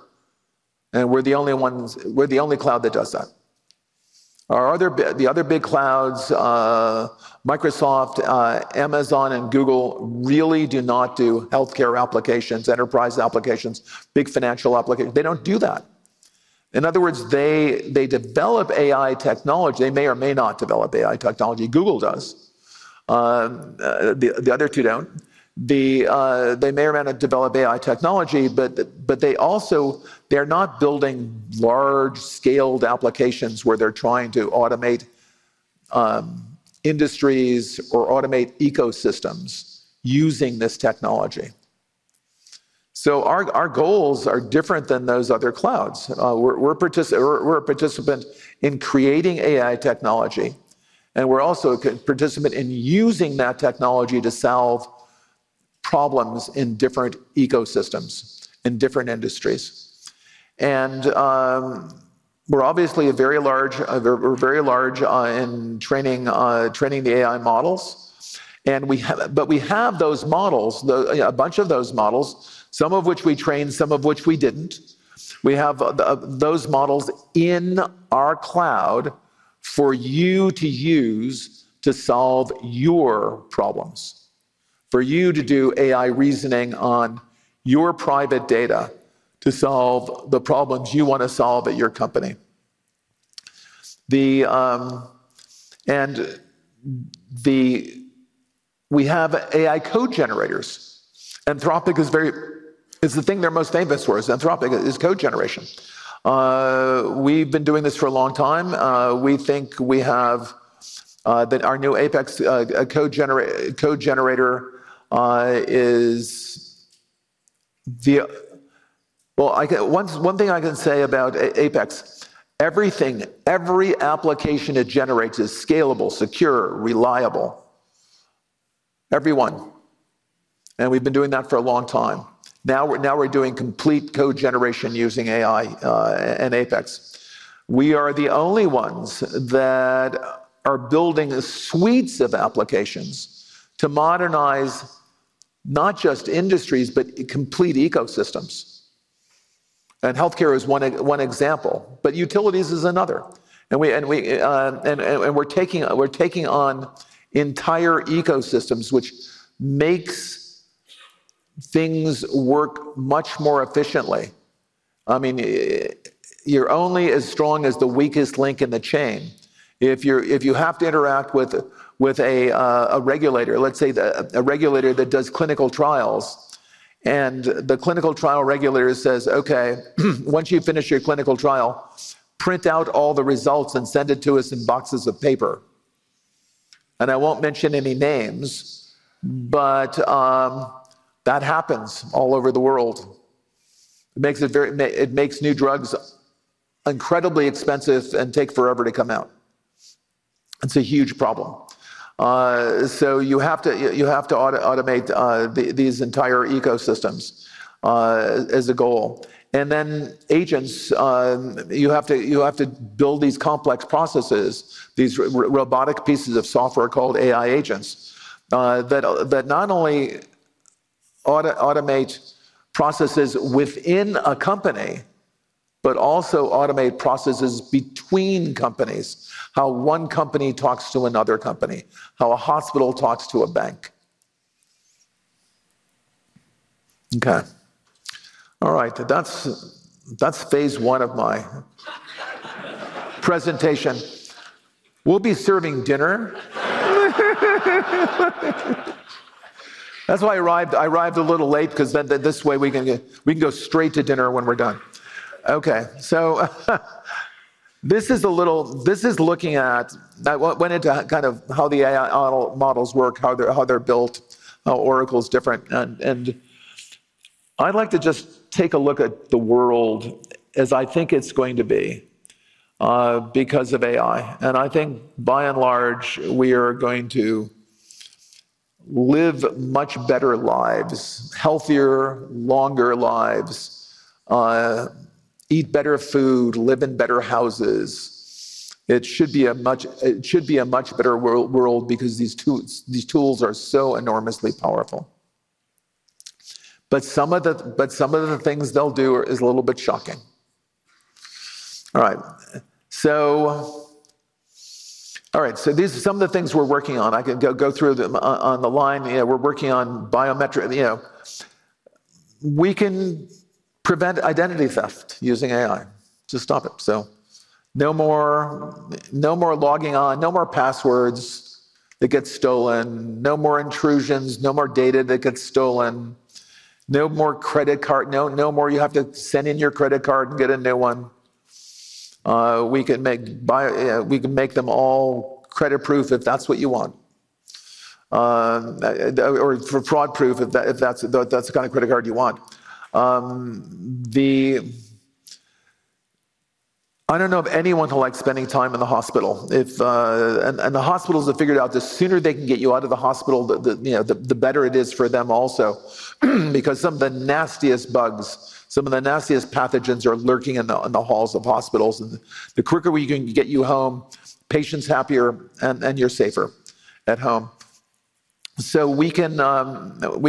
Speaker 1: We're the only ones, we're the only cloud that does that. The other big clouds, Microsoft, Amazon, and Google, really do not do healthcare applications, enterprise applications, big financial applications, they don't do that. In other words, they develop AI technology. They may or may not develop AI technology. Google does. The other two don't. They may or may not develop AI technology, but they're not building large scaled applications where they're trying to automate industries or automate ecosystems using this technology. Our goals are different than those other clouds. We're a participant in creating AI technology and we're also a participant in using that technology to solve problems, problems in different ecosystems, in different industries. We're obviously very large in training the AI models. We have those models, a bunch of those models, some of which we trained, some of which we didn't. We have those models in our cloud for you to use to solve your problems, for you to do AI reasoning on your private data to solve the problems you want to solve at your company. We have AI code generators. Anthropic is very, is the thing they're most famous for is Anthropic is code generation. We've been doing this for a long time. We think we have that. Our new APEX code generator is. One thing I can say about APEX, everything, every application it generates is scalable, secure, reliable, everyone. We've been doing that for a long time now. We're doing complete code generation using AI and APEX. We are the only ones that are building suites of applications to modernize not just industries, but complete ecosystems. Healthcare is one example, but utilities is another. We're taking on entire ecosystems, which makes things work much more efficiently. I mean, you're only as strong as the weakest link in the chain if you have to interact with a regulator, let's say a regulator that does clinical trials. The clinical trial regulator says, okay, once you finish your clinical trial, print out all the results and send it to us in boxes of paper. I won't mention any names, but that happens all over the world. It makes new drugs incredibly expensive and take forever to come out. It's a huge problem. You have to automate these entire ecosystems as a goal. Then agents, you have to build these complex processes, these robotic pieces of software called AI agents that not only automate processes within a company, but also automate processes between companies. How one company talks to another company, how a hospital talks to a bank. Okay, that's phase one of my presentation. Be serving dinner. That's why I arrived a little late, because this way we can go straight to dinner when we're done. This is looking at, went into kind of how the AI models work, how they're built, how Oracle is different. I'd like to just take a look at the world as I think it's going to be because of AI. I think, by and large, we are going to live much better lives. Healthier, longer lives, eat better food, live in better houses. It should be a much better world because these tools are so enormously powerful, but some of the things they'll do is a little bit shocking. These are some of the things we're working on. I could go through them on the line. We're working on biometric. We can prevent identity theft using AI to stop it. No more logging on, no more passwords that get stolen. No more intrusions, no more data that gets stolen. No more credit card. No more, you have to send in your credit card and get a new one. We can make them all credit proof if that's what you want, or fraud proof if that's the kind of credit card you want. I don't know of anyone who likes spending time in the hospital. The hospitals have figured out the sooner they can get you out of the hospital, the better it is for them. Also, because some of the nastiest bugs, some of the nastiest pathogens are lurking in the halls of hospitals. The quicker we can get you home, patients happier and you're safer at home. We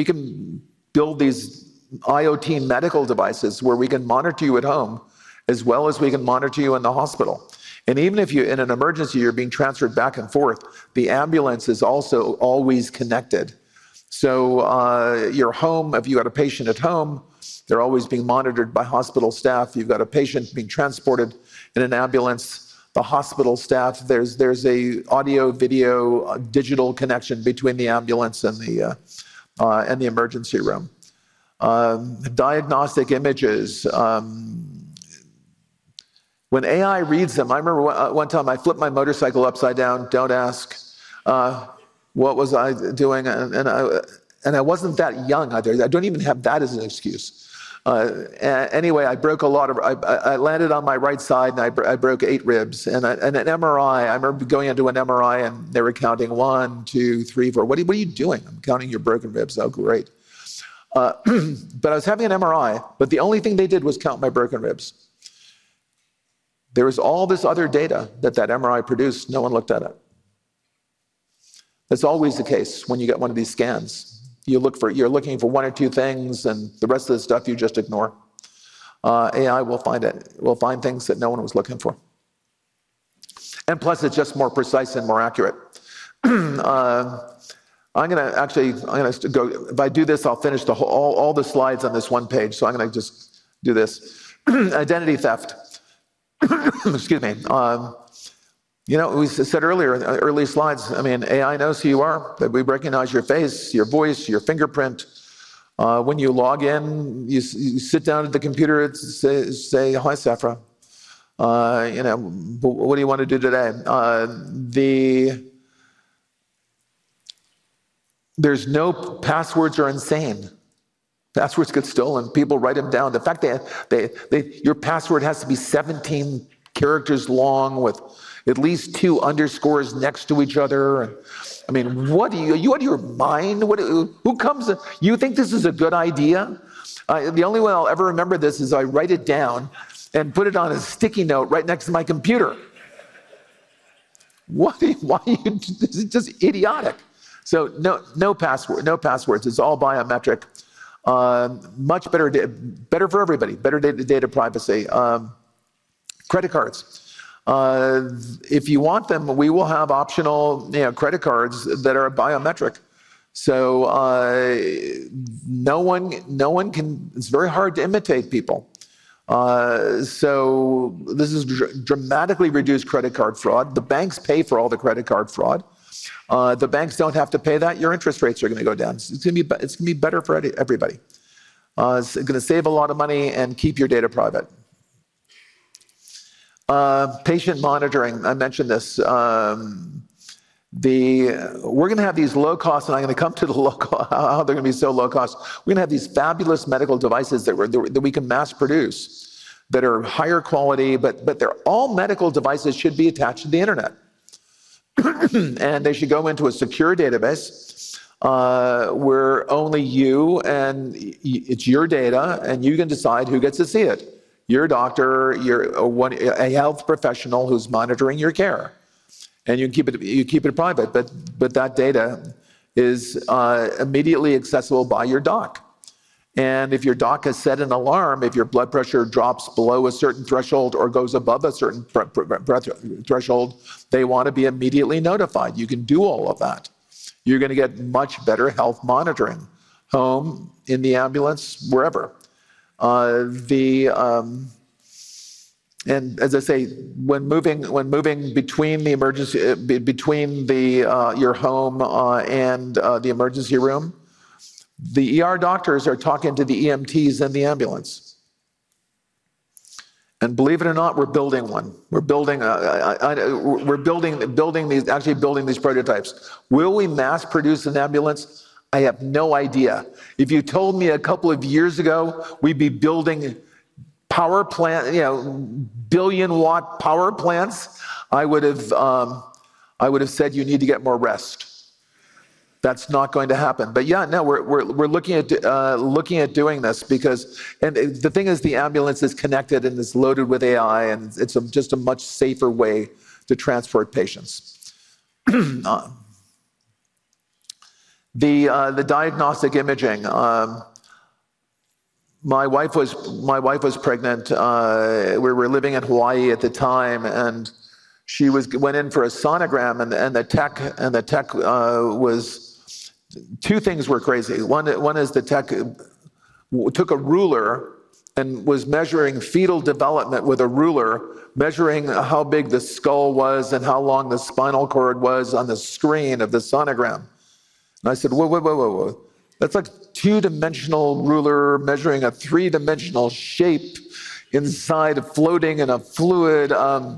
Speaker 1: can build these IoT medical devices where we can monitor you at home, as well as we can monitor you in the hospital. Even if in an emergency, you're being transferred back and forth, the ambulance is also always connected. Your home, if you had a patient at home, they're always being monitored by hospital staff. You've got a patient being transported in an ambulance, the hospital staff. There's an audio, video, digital connection between the ambulance and the emergency room diagnostic images when AI reads them. I remember one time I flipped my motorcycle upside down. Don't ask what was I doing? I wasn't that young either. I don't even have that as an excuse. I broke a lot of—I landed on my right side and I broke eight ribs. An MRI. I remember going into an MRI and they were counting, 1, 2, 3, 4. What are you doing? I'm counting your broken ribs. Oh, great. I was having an MRI, but the only thing they did was count my broken ribs. There is all this other data that that MRI produced. No one looked at it. That's always the case when you get one of these scans. You're looking for one or two things, and the rest of the stuff you just ignore. AI will find things that no one was looking for. Plus, it's just more precise and more accurate. I'm going to actually go. If I do this, I'll finish all the slides on this one page. I'm going to just do this. Identity theft. Excuse me? We said earlier, early slides, I mean, AI knows who you are, that we recognize your face, your voice, your fingerprint. When you log in, you sit down at the computer, say, hi, Sephora, you know, what do you want to do today? There's no—passwords are insane. Passwords get stolen. People write them down. The fact that your password has to be 17 characters long with at least two underscores next to each other. I mean, what are you out of your mind? Who comes—you think this is a good idea? The only way I'll ever remember this is I write it down and put it on a sticky note right next to my computer. Why? This is just idiotic. No passwords. It's all biometric. Much better for everybody. Better data privacy. Credit cards if you want them. We will have optional credit cards that are biometric so no one can—it's very hard to imitate people. This has dramatically reduced credit card fraud. The banks pay for all the credit card fraud. The banks don't have to pay that. Your interest rates are going to go down. It's going to be better for everybody. It's going to save a lot of money and keep your data private. Patient monitoring. I mentioned this. We're going to have these low cost, and I'm going to come to the low cost, how they're going to be so low cost. We're going to have these fabulous medical devices that we can mass produce that are higher quality, but all medical devices should be attached to the Internet, and they should go into a secure database where only you, and it's your data, and you can decide who gets to see it, your doctor, a health professional who's monitoring your care, and you can keep it private. That data is immediately accessible by your doc, and if your doc has set an alarm, if your blood pressure drops below a certain threshold or goes above a certain threshold, they want to be immediately notified. You can do all of that. You're going to get much better health monitoring at home, in the ambulance, wherever. As I say, when moving between your home and the emergency room, the ER doctors are talking to the EMTs in the ambulance. Believe it or not, we're building one. We're actually building these prototypes. Will we mass produce an ambulance? I have no idea. If you told me a couple of years ago we'd be building billion watt power plants, I would have said you need to get more rest. That's not going to happen. Yeah, we're looking at doing this because the ambulance is connected, and it's loaded with AI, and it's just a much safer way to transport patients. The diagnostic imaging, my wife was pregnant, we were living in Hawaii at the time, and she went in for a sonogram. The tech was, two things were crazy. One is the tech took a ruler and was measuring fetal development with a ruler, measuring how big the skull was and how long the spinal cord was on the screen of the sonogram. I said, whoa, whoa, whoa, whoa, whoa. That's like a two dimensional ruler measuring a three dimensional shape inside, floating in a fluid. Are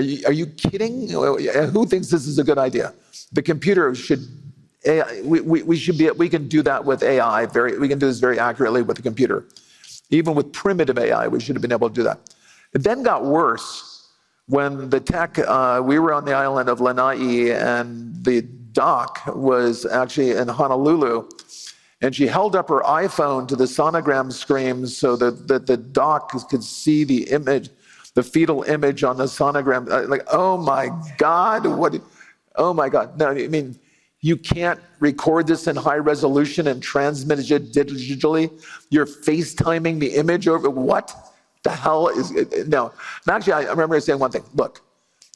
Speaker 1: you kidding? Who thinks this is a good idea? The computer should be, we can do that with AI. We can do this very accurately with the computer. Even with primitive AI, we should have been able to do that. It then got worse when the tech, we were on the island of Lanai and the doc was actually in Honolulu and she held up her iPhone to the sonogram screen so that the doc could see the image, the fetal image on the sonogram. Oh my God, what did you. Oh my God, no. I mean, you can't record this in high resolution and transmit it digitally. You're FaceTiming the image over. What the hell is. No, actually, I remember saying one thing. Look,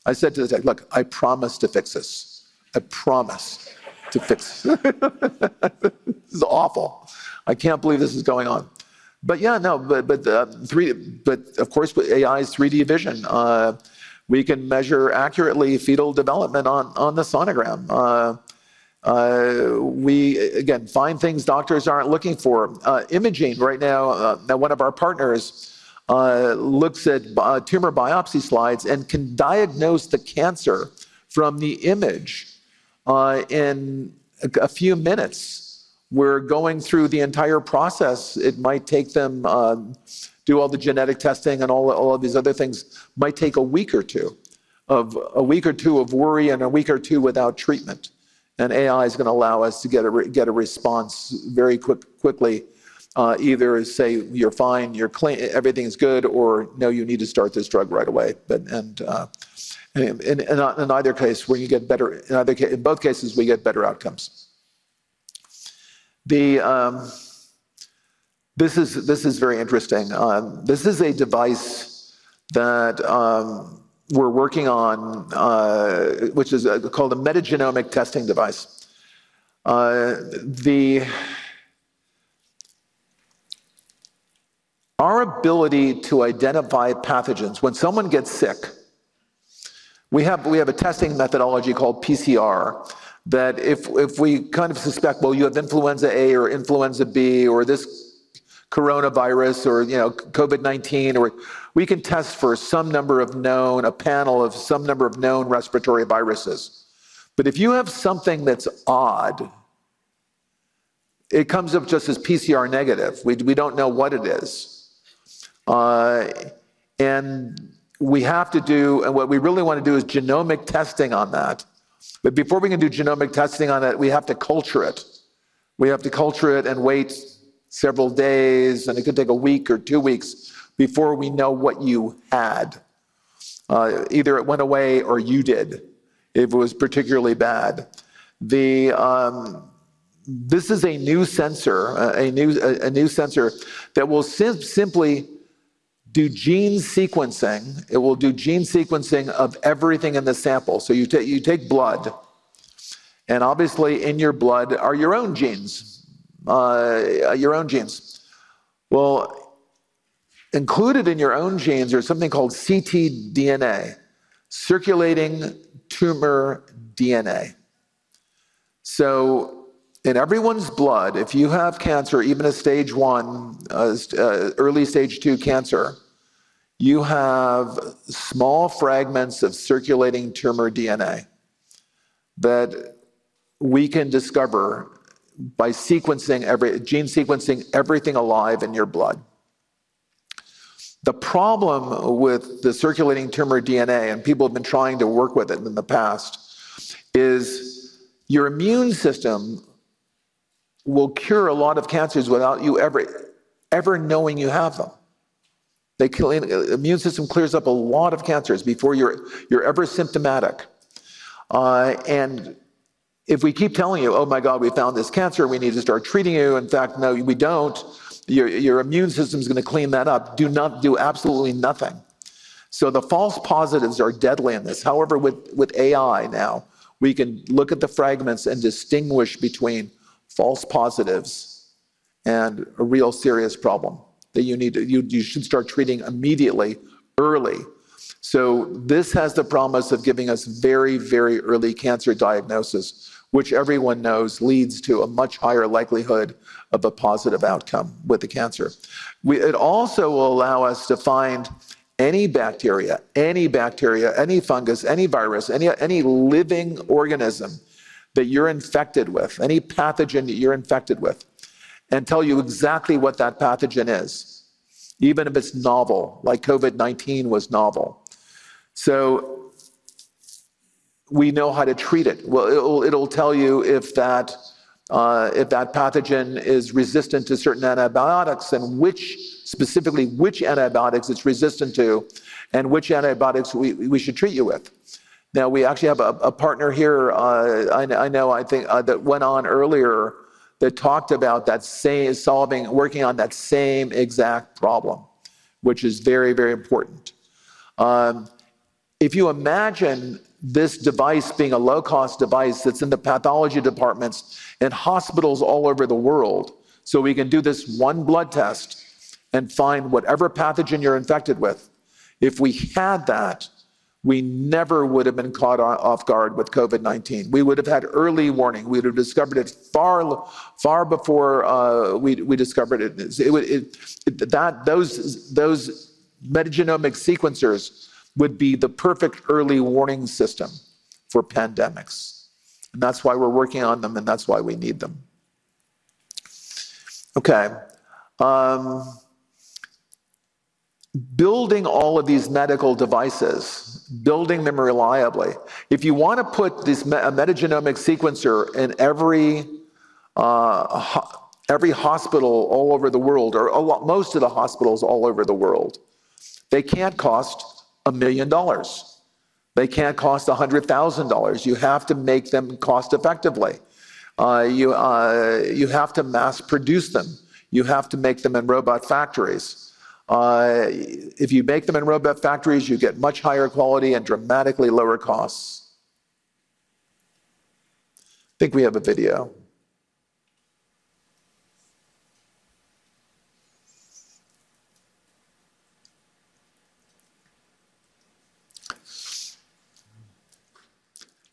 Speaker 1: I said to the tech, look, I promise to fix this. I promise to fix. This is awful. I can't believe this is going on. Yeah, no, of course, AI is 3D vision. We can measure accurately fetal development on the sonogram. We again find things doctors aren't looking for imaging right now. One of our partners looks at tumor biopsy slides and can diagnose the cancer from the image in a few minutes. We're going through the entire process. It might take them to do all the genetic testing and all of these other things. It might take a week or two, a week or two of worry, and a week or two without treatment. AI is going to allow us to get a response very quickly. Either say, you're fine, everything's good, or no, you need to start this drug right away. In either case, when you get better. In both cases, we get better outcomes. This is very interesting. This is a device that we're working on which is called a metagenomic testing device, our ability to identify pathogens when someone gets sick. We have a testing methodology called PCR, that if we suspect, you have influenza A or influenza B or this, this coronavirus or COVID-19, we can test for some number of known, a panel of some number of known respiratory viruses. If you have something that's odd, it comes up just as PCR negative. We don't know what it is. What we really want to do is genomic testing on that. Before we can do genomic testing on it, we have to culture it. We have to culture it and wait several days. It could take a week or two weeks before we know what you had. Either it went away or you did if it was particularly bad. This is a new sensor, a new sensor that will simply do gene sequencing. It will do gene sequencing of everything in the sample. You take blood, and obviously in your blood are your own genes, your own genes. Included in your own genes are something called ctDNA, circulating tumor DNA. In everyone's blood, if you have cancer, even a stage one, early, stage two cancer, you have small fragments of circulating tumor DNA that we can discover by sequencing every gene, sequencing everything alive in your blood. The problem with the circulating tumor DNA, and people have been trying to work with it in the past, is your immune system will cure a lot of cancers without you ever, ever knowing you have them. The immune system clears up a lot of cancers before you're ever symptomatic. If we keep telling you, oh, my God, we found this cancer, we need to start treating you. In fact, no, we don't. Your immune system is going to clean that up, do absolutely nothing. The false positives are deadly in this. However, with AI now we can look at the fragments and distinguish between false positives and a real serious problem that you need, you should start treating immediately, early. This has the promise of giving us very, very early cancer diagnosis, which everyone knows leads to a much higher likelihood of a positive outcome with the cancer. It also will allow us to find any bacteria, any bacteria, any fungus, any virus, any living organism that you're infected with, any pathogen that you're infected with, and tell you exactly what that pathogen is, even if it's novel, like COVID-19 was novel. We know how to treat it. It'll tell you if that pathogen is resistant to certain antibiotics and which, specifically which antibiotics it's resistant to and which antibiotics we should treat you with. We actually have a partner here, I know, I think that went on earlier that talked about that, working on that same exact problem, which is very, very important. If you imagine this device being a low-cost device that's in the pathology departments and hospitals all over the world, we can do this one blood test and find whatever pathogen you're infected with. If we had that, we never would have been caught off guard. With COVID-19, we would have had early warning. We would have discovered it from far before we discovered it. Those metagenomic sequencers would be the perfect early warning system for pandemics. That's why we're working on them, and that's why we need them. Building all of these medical devices, building them reliably. If you want to put a metagenomic sequencer in every, every hospital all over the world, or most of the hospitals all over the world, they can't cost a million dollars. They can't cost $100,000. You have to make them cost effectively. You have to mass produce them. You have to make them in robot factories. If you make them in robot factories, you get much higher quality and dramatically lower costs. I think we have a video.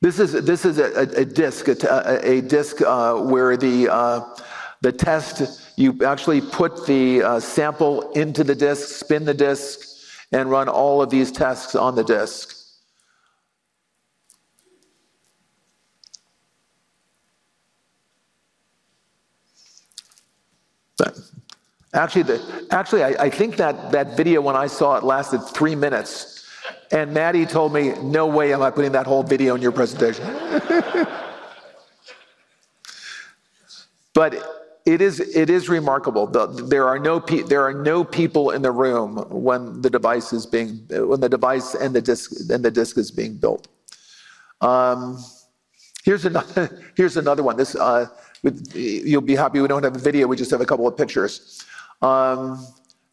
Speaker 1: This is a disc where the test, you actually put the sample into the disc, spin the disc, and run all of these tasks on the disc. Actually, I think that video, when I saw it, lasted three minutes. Maddie told me, no way am I putting that whole video in your presentation. It is remarkable. There are no people in the room when the disc is being built. Here's another one. You'll be happy. We don't have a video. We just have a couple of pictures.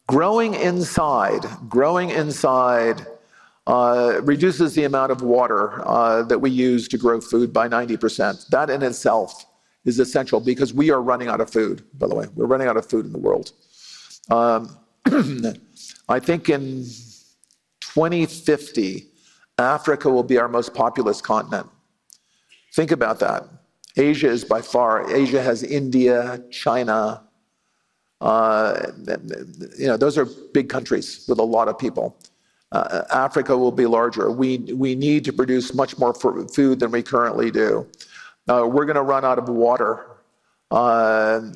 Speaker 1: Growing inside reduces the amount of water that we use to grow food by 90%. That in itself is essential because we are running out of food. By the way, we're running out of food in the world. I think in 2050, Africa will be our most populous continent. Think about that. Asia is by far. Asia has India, China, you know, those are big countries with a lot of people. Africa will be larger. We need to produce much more food than we currently do. We're going to run out of water. We're going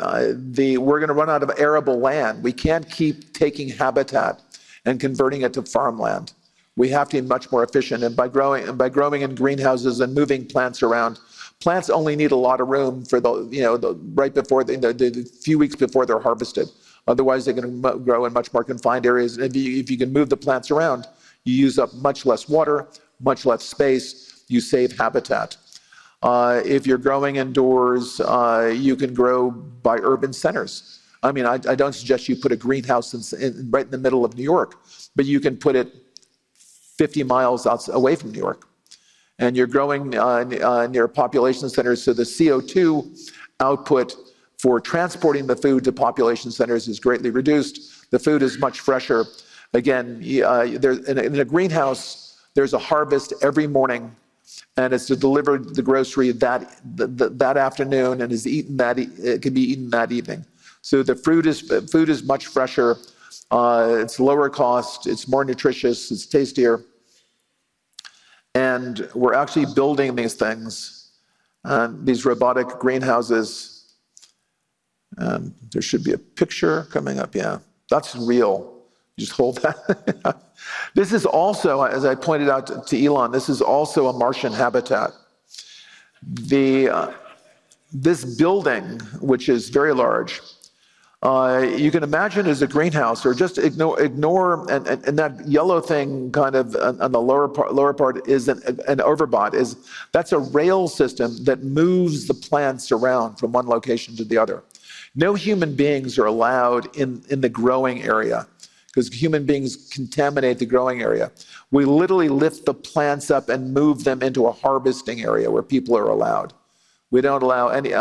Speaker 1: to run out of arable land. We can't keep taking habitat and converting it to farmland. We have to be much more efficient. By growing in greenhouses and moving plants around, plants only need a lot of room for the, you know, right before, a few weeks before they're harvested. Otherwise, they're going to grow in much more confined areas. If you can move the plants around, you use up much less water, much less space. You save habitat. If you're growing indoors, you can grow by urban centers. I mean, I don't suggest you put a greenhouse right in the middle of New York, but you can put it 50 mi away from New York, and you're growing near population centers. The CO2 output for transporting the food to population centers is greatly reduced. The food is much fresher. Again, in a greenhouse, there's a harvest every morning, and it's delivered to the grocery that afternoon and can be eaten that evening. The food is much fresher. It's lower cost, it's more nutritious, it's tastier. We're actually building these things, these robotic greenhouses. There should be a picture coming up. Yeah, that's real. Just hold that. This is also, as I pointed out to Elon, this is also a Martian habitat. This building, which is very large, you can imagine as a greenhouse, or just ignore. That yellow thing kind of on the lower part is an overbot. That's a rail system that moves the plants around from one location to the other. No human beings are allowed in the growing area because human beings contaminate the growing area. We literally lift the plants up and move them into a harvesting area where people are allowed. We don't allow any.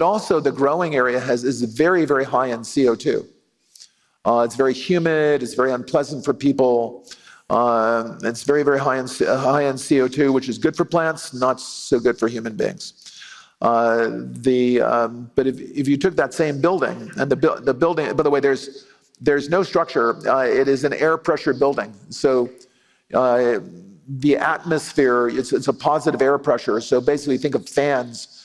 Speaker 1: Also, the growing area is very, very high in CO2. It's very humid, it's very unpleasant for people. It's very, very high in CO2, which is good for plants, not so good for human beings. If you took that same building, and the building, by the way, there's no structure. It is an air pressure building. The atmosphere, it's a positive air pressure. Basically, think of fans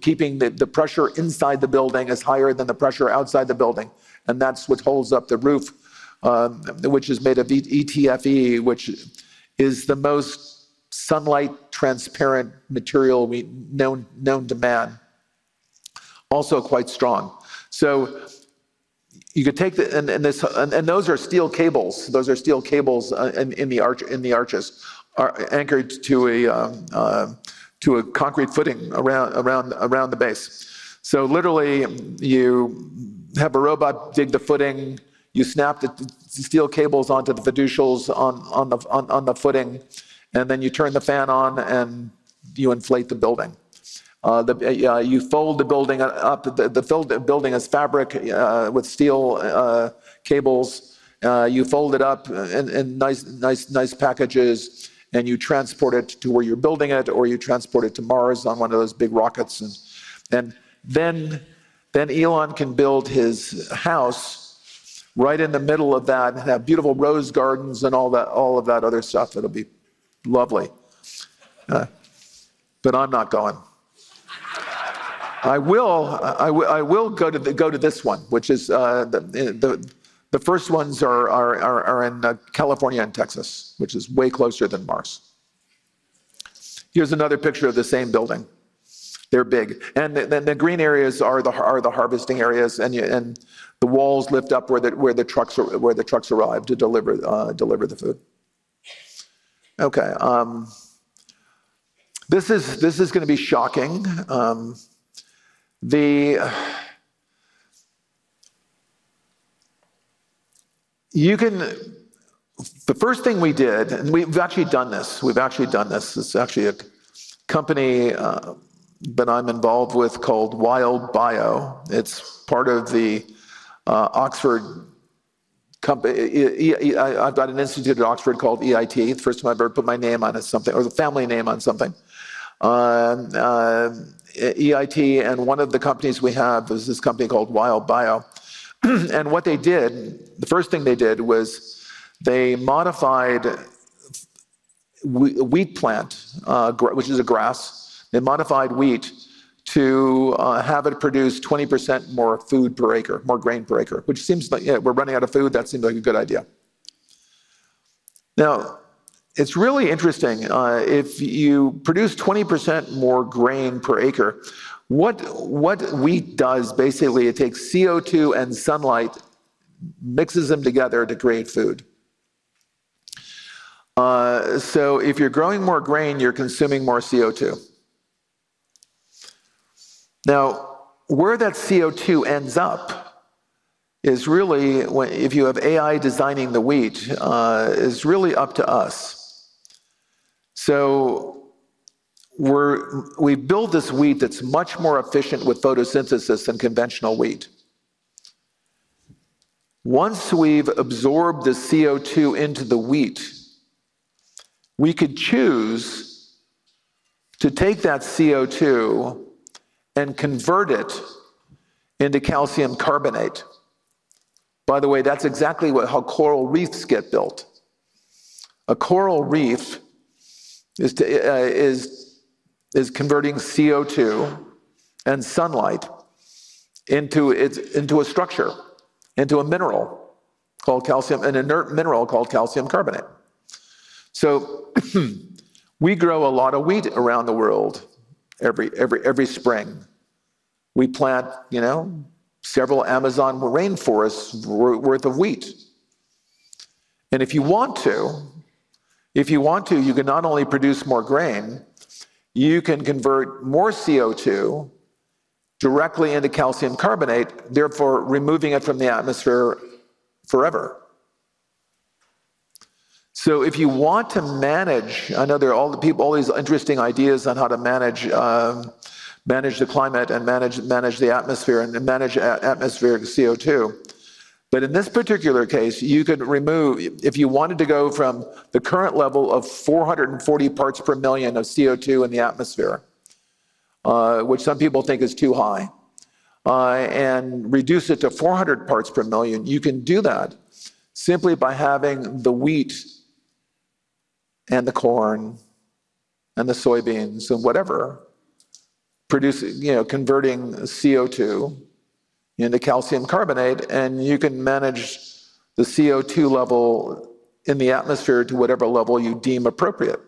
Speaker 1: keeping the pressure inside the building higher than the pressure outside the building. That's what holds up the roof, which is made of ETFE, which is the most sunlight transparent material known to man. Also quite strong. You could take, and those are steel cables. Those are steel cables in the arches anchored to a concrete footing around the base. Literally, you have a robot dig the footing, you snap the steel cables onto the fiducials on the footing, and then you turn the fan on and you inflate the building. You fold the building up. The building is fabric with steel cables. You fold it up in nice packages and you transport it to where you're building it, or you transport it to Mars on one of those big rockets, and then Elon can build his house right in the middle of that and have beautiful rose gardens and all of that other stuff. It'll be lovely. I'm not going. I will go to this one, which is, the first ones are in California and Texas, which is way closer than Mars. Here's another picture of the same building. They're big, and the green areas are the harvesting areas. The walls lift up where the trucks arrive to deliver the food. This is going to be shocking. The first thing we did, and we've actually done this. We've actually done this. It's actually a company that I'm involved with called Wild Bio. It's part of the Oxford company. I've got an institute at Oxford called EIT. The first time I've ever put my name on something or the family name on something. EIT. One of the companies we have is this company called Wild Bio. What they did, the first thing they did was they modified wheat plant, which is a grass. They modified wheat to have it produce 20% more food per acre. More grain per acre, which seems like we're running out of food. That seemed like a good idea. Now, it's really interesting. If you produce 20% more grain per acre, what wheat does, basically it takes CO2 and sunlight, mixes them together to create food. If you're growing more grain, you're consuming more CO2. Where that CO2 ends up is really, if you have AI designing the wheat, is really up to us. We build this wheat that's much more efficient with photosynthesis than conventional wheat. Once we've absorbed the CO2 into the wheat, we could choose to take that CO2 and convert it into calcium carbonate. By the way, that's exactly how coral reefs get built. A coral reef is converting CO2 and sunlight into a structure, into a mineral called calcium, an inert mineral called calcium carbonate. We grow a lot of wheat around the world. Every spring we plant, you know, several Amazon rainforests worth of wheat. If you want to, you can not only produce more grain, you can convert more CO2 directly into calcium carbonate, therefore removing it from the atmosphere forever. If you want to manage, I know there are all these interesting ideas on how to manage the climate and manage the atmosphere and manage atmospheric CO2, but in this particular case, you could remove, if you wanted to go from the current level of 440 parts per million of CO2 in the atmosphere, which some people think is too high, and reduce it to 400 parts per million. You can do that simply by having the wheat and the corn and the soybeans and whatever producing, you know, converting CO2 into calcium carbonate. You can manage the CO2 level in the atmosphere to whatever level you deem appropriate.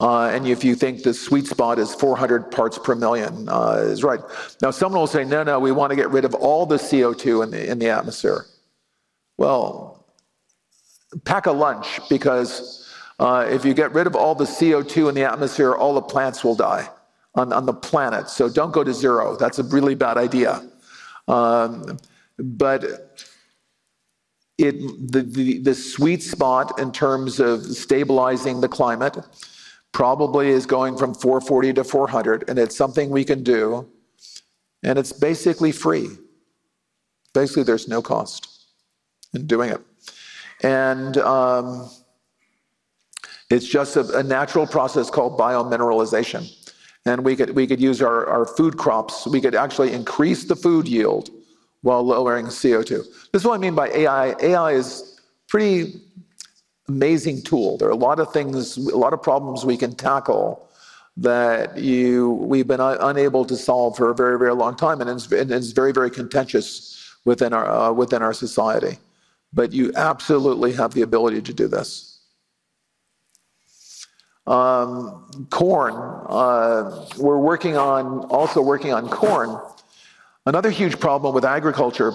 Speaker 1: If you think the sweet spot is 400 parts per million, right now, someone will say, no, no, we want to get rid of all the CO2 in the atmosphere. Pack a lunch, because if you get rid of all the CO2 in the atmosphere, all the plants will die on the planet. Don't go to zero. That's a really bad idea. The sweet spot in terms of stabilizing the climate probably is going from 440 to 400. It's something we can do, and it's basically free. Basically, there's no cost in doing it. It's just a natural process called biomineralization. We could use our food crops. We could actually increase the food yield while lowering CO2. This is what I mean by AI. AI is a pretty amazing tool. There are a lot of things, a lot of problems we can tackle that we've been unable to solve for a very, very long time. It's very, very contentious within our society. You absolutely have the ability to do this. Corn. We're also working on corn. Another huge problem with agriculture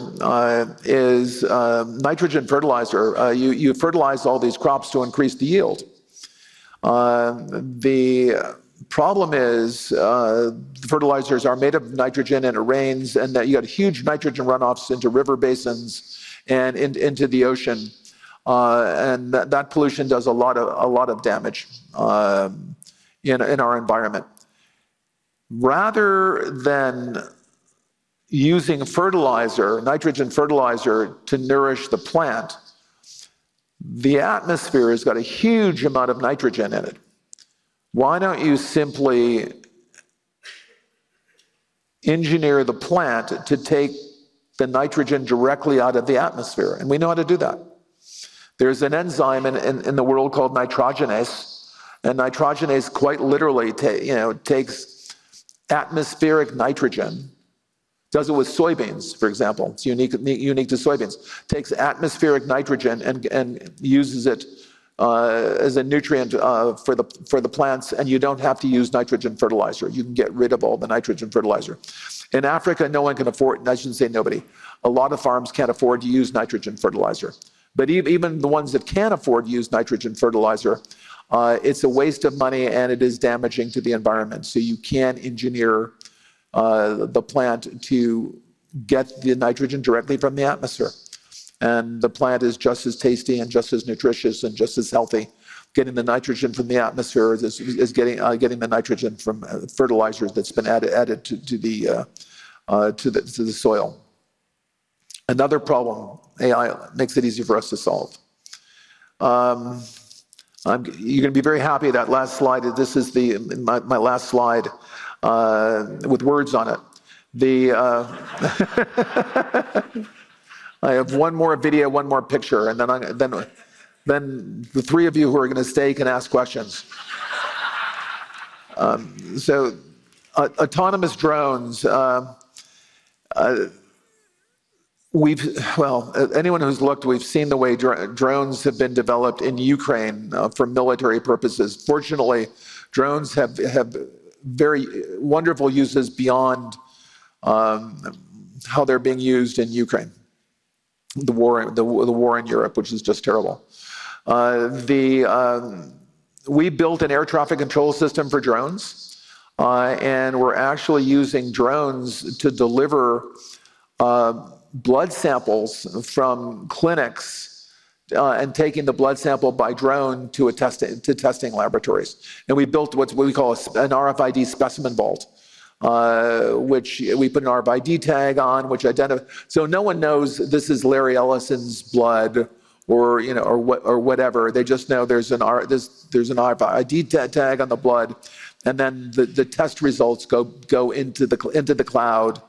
Speaker 1: is nitrogen fertilizer. You fertilize all these crops to increase the yield. The problem is fertilizers are made of nitrogen. It rains and you get huge nitrogen runoffs into river basins and into the ocean. That pollution does a lot of damage in our environment. Rather than using fertilizer, nitrogen fertilizer, to nourish the plant, the atmosphere has got a huge amount of nitrogen in it. Why don't you simply engineer the plant to take the nitrogen directly out of the atmosphere? We know how to do that. There's an enzyme in the world called nitrogenase, and nitrogenase quite literally takes atmospheric nitrogen, does it with soybeans, for example. It's unique to soybeans, takes atmospheric nitrogen and uses it as a nutrient for the plants. You don't have to use nitrogen fertilizer. You can get rid of all the nitrogen fertilizer in Africa. No one can afford. I shouldn't say nobody. A lot of farms can't afford to use nitrogen fertilizer. Even the ones that can afford to use nitrogen fertilizer, it's a waste of money and it is damaging to the environment. You can engineer the plant to get the nitrogen directly from the atmosphere. The plant is just as tasty and just as nutritious and just as healthy getting the nitrogen from the atmosphere as getting the nitrogen from fertilizer that's been added to the soil. Another problem AI makes it easy for us to solve. You're going to be very happy that last slide. This is my last slide with words on it. I have one more video, one more picture, and then the three of you who are going to stay can ask questions. Autonomous drones. Anyone who's looked, we've seen the way drones have been developed in Ukraine for military purposes. Fortunately, drones have very wonderful uses beyond how they're being used in Ukraine, the war in Europe, which is just terrible. We built an air traffic control system for drones, and we're actually using drones to deliver blood samples from clinics and taking the blood sample by drone to testing laboratories. We built what we call an RFID specimen vault, which we put an RFID tag on, which identifies. No one knows this is Larry Ellison's blood or whatever. They just know there's an ID tag on the blood, and then the test results go into the cloud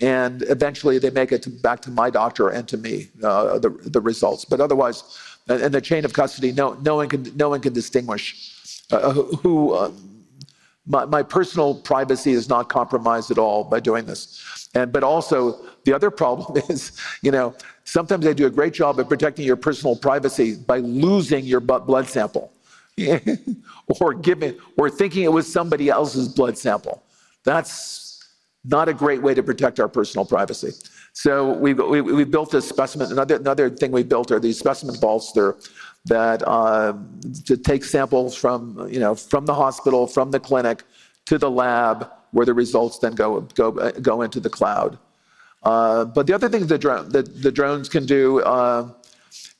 Speaker 1: and eventually they make it back to my doctor and to me, the results. Otherwise, in the chain of custody, no one can distinguish who. My personal privacy is not compromised at all by doing this. Also, the other problem is sometimes they do a great job of protecting your personal privacy by losing your blood sample or thinking it was somebody else's blood sample. That's not a great way to protect our personal privacy. We built a specimen. Another thing we built are these specimen bolsters to take samples from the hospital, from the clinic to the lab where the results then go into the cloud. The other thing that the drones can do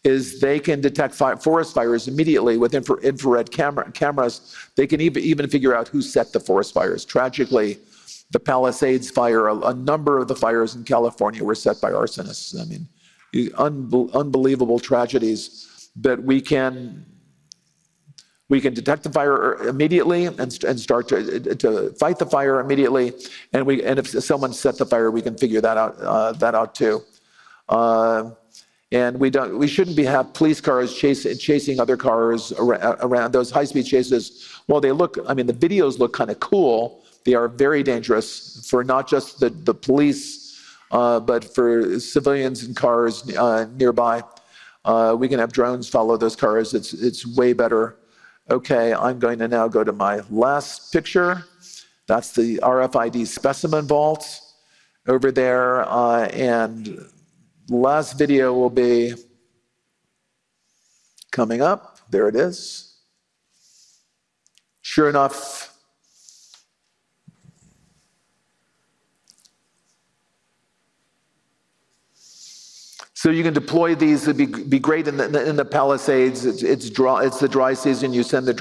Speaker 1: is they can detect forest fires immediately with infrared cameras. They can even figure out who set the forest fires. Tragically, the Palisades fire. A number of the fires in California were set by arsonists. I mean, unbelievable tragedies that we can, we can detect the fire immediately and start to fight the fire immediately. If someone set the fire, we can figure that out too. We shouldn't have police cars chasing other cars around those high speed chases while they look, I mean the videos look kind of cool. They are very dangerous for not just the police, but for civilians and cars nearby. We can have drones follow those cars. It's way better. Okay, I'm going to now go to my last picture. That's the RFID specimen vault over there. Last video will be coming up. There it is. Sure enough. You can deploy these. It'd be great. In the Palisades, it's the dry season. You send the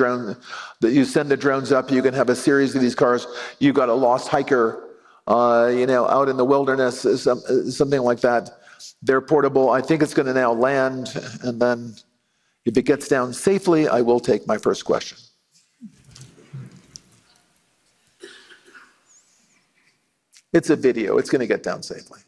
Speaker 1: drones up, you can have a series of these cars. You've got a lost hiker out in the wilderness, something like that. They're portable. I think it's going to now land and then if it gets down safely, I will take my first question. It's a video. It's going to get down safely.